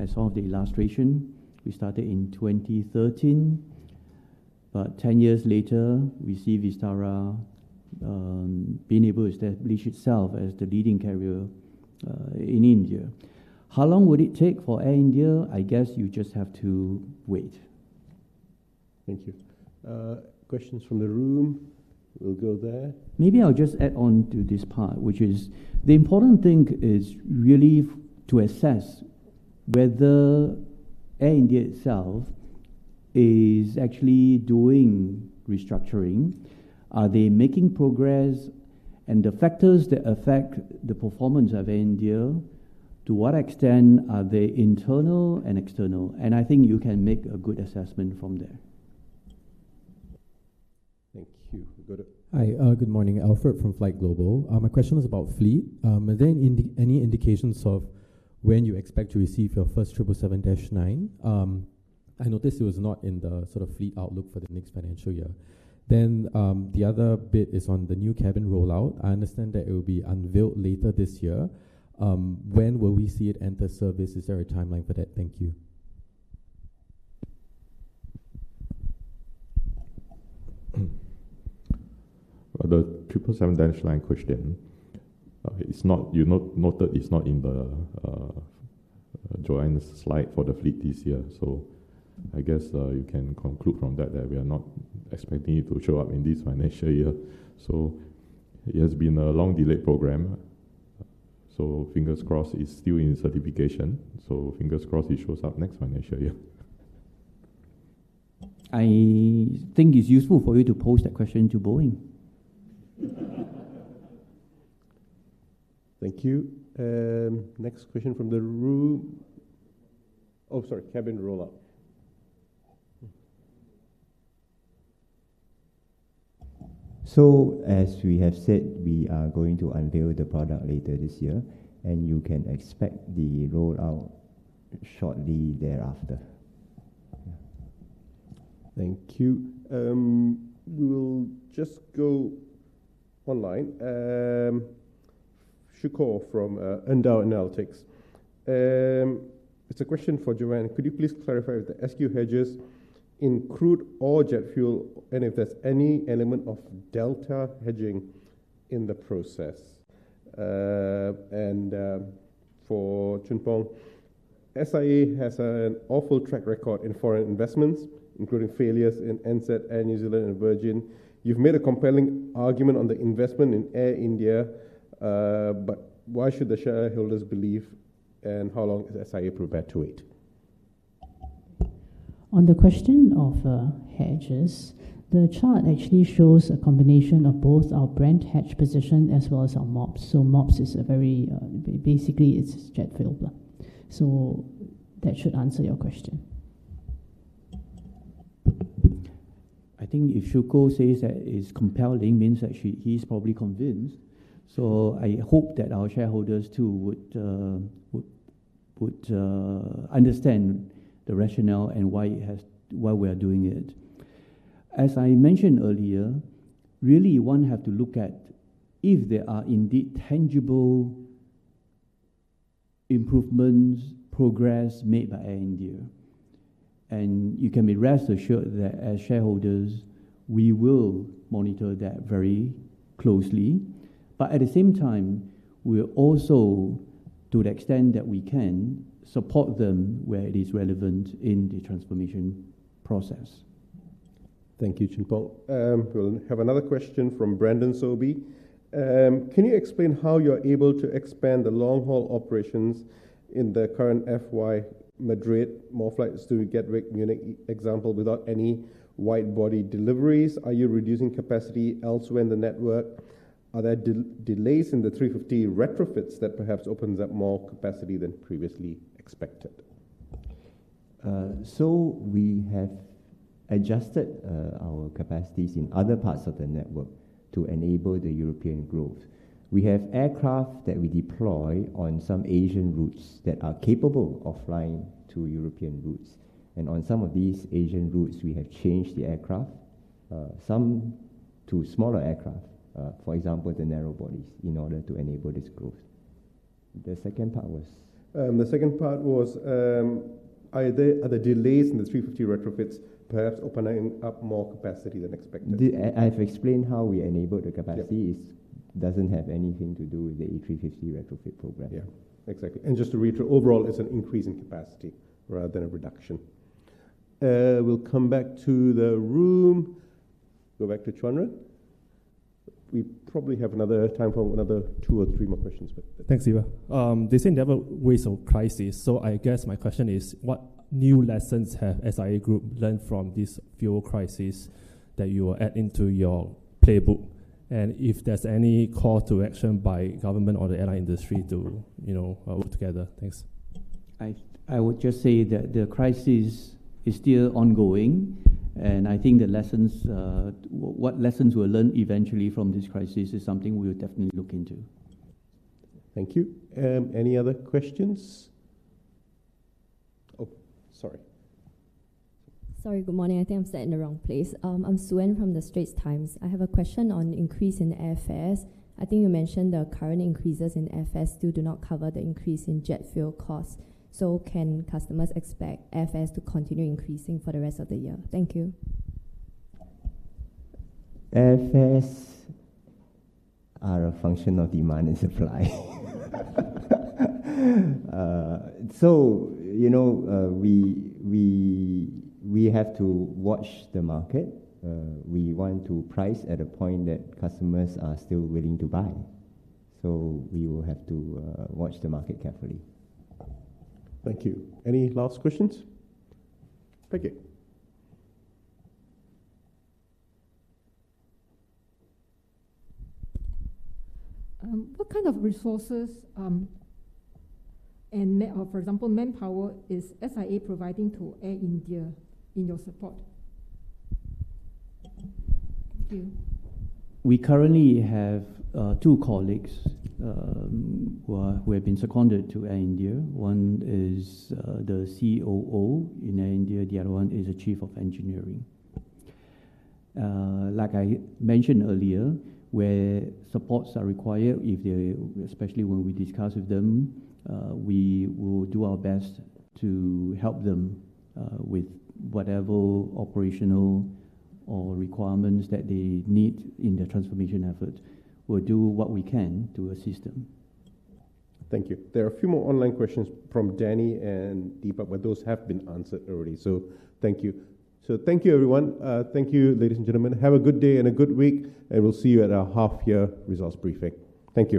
Speaker 3: as one of the illustration. We started in 2013, but 10 years later, we see Vistara being able to establish itself as the leading carrier in India. How long would it take for Air India? I guess you just have to wait.
Speaker 1: Thank you. Questions from the room. We'll go there.
Speaker 3: Maybe I'll just add on to this part, which is the important thing is really to assess whether Air India itself is actually doing restructuring. Are they making progress? The factors that affect the performance of Air India, to what extent are they internal and external? I think you can make a good assessment from there.
Speaker 1: Thank you. We'll go to-
Speaker 14: Hi. Good morning. Alfred from FlightGlobal. My question is about fleet. Are there any indications of when you expect to receive your first 777-9? I noticed it was not in the sort of fleet outlook for the next financial year. The other bit is on the new cabin rollout. I understand that it will be unveiled later this year. When will we see it enter service? Is there a timeline for that? Thank you.
Speaker 11: Well, the 777-9 question.
Speaker 14: Yeah.
Speaker 11: You noted it's not in the Jo-Ann's slide for the fleet this year. I guess, you can conclude from that we are not expecting it to show up in this financial year. It has been a long delayed program. Fingers crossed it's still in certification. Fingers crossed it shows up next time I show you.
Speaker 3: I think it's useful for you to pose that question to Boeing.
Speaker 1: Thank you. Next question from the room. Oh, sorry, cabin rollout.
Speaker 5: As we have said, we are going to unveil the product later this year, and you can expect the rollout shortly thereafter.
Speaker 1: Thank you. We will just go online. Shukor from Endau Analytics. It's a question for Jo-Ann. Could you please clarify if the SQ hedges include all jet fuel, and if there's any element of delta hedging in the process? For Goh Choon Phong, SIA has an awful track record in foreign investments, including failures in Ansett, Air New Zealand and Virgin. You've made a compelling argument on the investment in Air India, why should the shareholders believe, and how long is SIA prepared to wait?
Speaker 2: On the question of hedges, the chart actually shows a combination of both our Brent hedge position as well as our MOPS. MOPS is a very, basically it’s jet fuel. That should answer your question.
Speaker 3: I think if Shukor says that it's compelling, means that he's probably convinced. I hope that our shareholders too would understand the rationale and why we are doing it. As I mentioned earlier, really one have to look at if there are indeed tangible improvements, progress made by Air India. You can be rest assured that as shareholders, we will monitor that very closely. At the same time, we'll also, to the extent that we can, support them where it is relevant in the transformation process.
Speaker 1: Thank you, Choon Phong. We'll have another question from Brendan Sobie. Can you explain how you're able to expand the long-haul operations in the current FY Madrid, more flights to Gatwick, Munich example, without any wide-body deliveries? Are you reducing capacity elsewhere in the network? Are there delays in the 350 retrofits that perhaps opens up more capacity than previously expected?
Speaker 3: We have adjusted our capacities in other parts of the network to enable the European growth. We have aircraft that we deploy on some Asian routes that are capable of flying to European routes. On some of these Asian routes, we have changed the aircraft, some to smaller aircraft, for example, the narrow bodies, in order to enable this growth. The second part was?
Speaker 1: The second part was, are the delays in the 350 retrofits perhaps opening up more capacity than expected?
Speaker 3: I've explained how we enable the capacities.
Speaker 1: Yep.
Speaker 3: It doesn't have anything to do with the A350 retrofit program.
Speaker 1: Yeah. Exactly. Just to reiterate, overall, it's an increase in capacity rather than a reduction. We'll come back to the room. Go back to Chen Chuanren. We probably have another time for another two or three more questions.
Speaker 10: Thanks, Siva. I guess my question is, what new lessons have SIA Group learned from this fuel crisis that you will add into your playbook? If there's any call to action by government or the airline industry to, you know, work together. Thanks.
Speaker 3: I would just say that the crisis is still ongoing, and I think the lessons, what lessons we'll learn eventually from this crisis is something we'll definitely look into.
Speaker 1: Thank you. Any other questions? Oh, sorry.
Speaker 15: Sorry, good morning. I think I'm sitting in the wrong place. I'm Suen from The Straits Times. I have a question on increase in airfares. I think you mentioned the current increases in airfares still do not cover the increase in jet fuel costs. Can customers expect airfares to continue increasing for the rest of the year? Thank you.
Speaker 3: Airfares are a function of demand and supply. You know, we have to watch the market. We want to price at a point that customers are still willing to buy. We will have to watch the market carefully.
Speaker 1: Thank you. Any last questions? Thank you.
Speaker 13: What kind of resources, or for example, manpower is SIA providing to Air India in your support? Thank you.
Speaker 3: We currently have two colleagues who have been seconded to Air India. One is the COO in Air India. The other one is the Chief of Engineering. Like I mentioned earlier, where supports are required, especially when we discuss with them, we will do our best to help them with whatever operational or requirements that they need in their transformation effort. We'll do what we can to assist them.
Speaker 1: Thank you. There are a few more online questions from Danny and Deepak. Those have been answered already. Thank you. Thank you, everyone. Thank you, ladies and gentlemen. Have a good day and a good week, and we'll see you at our half-year results briefing. Thank you.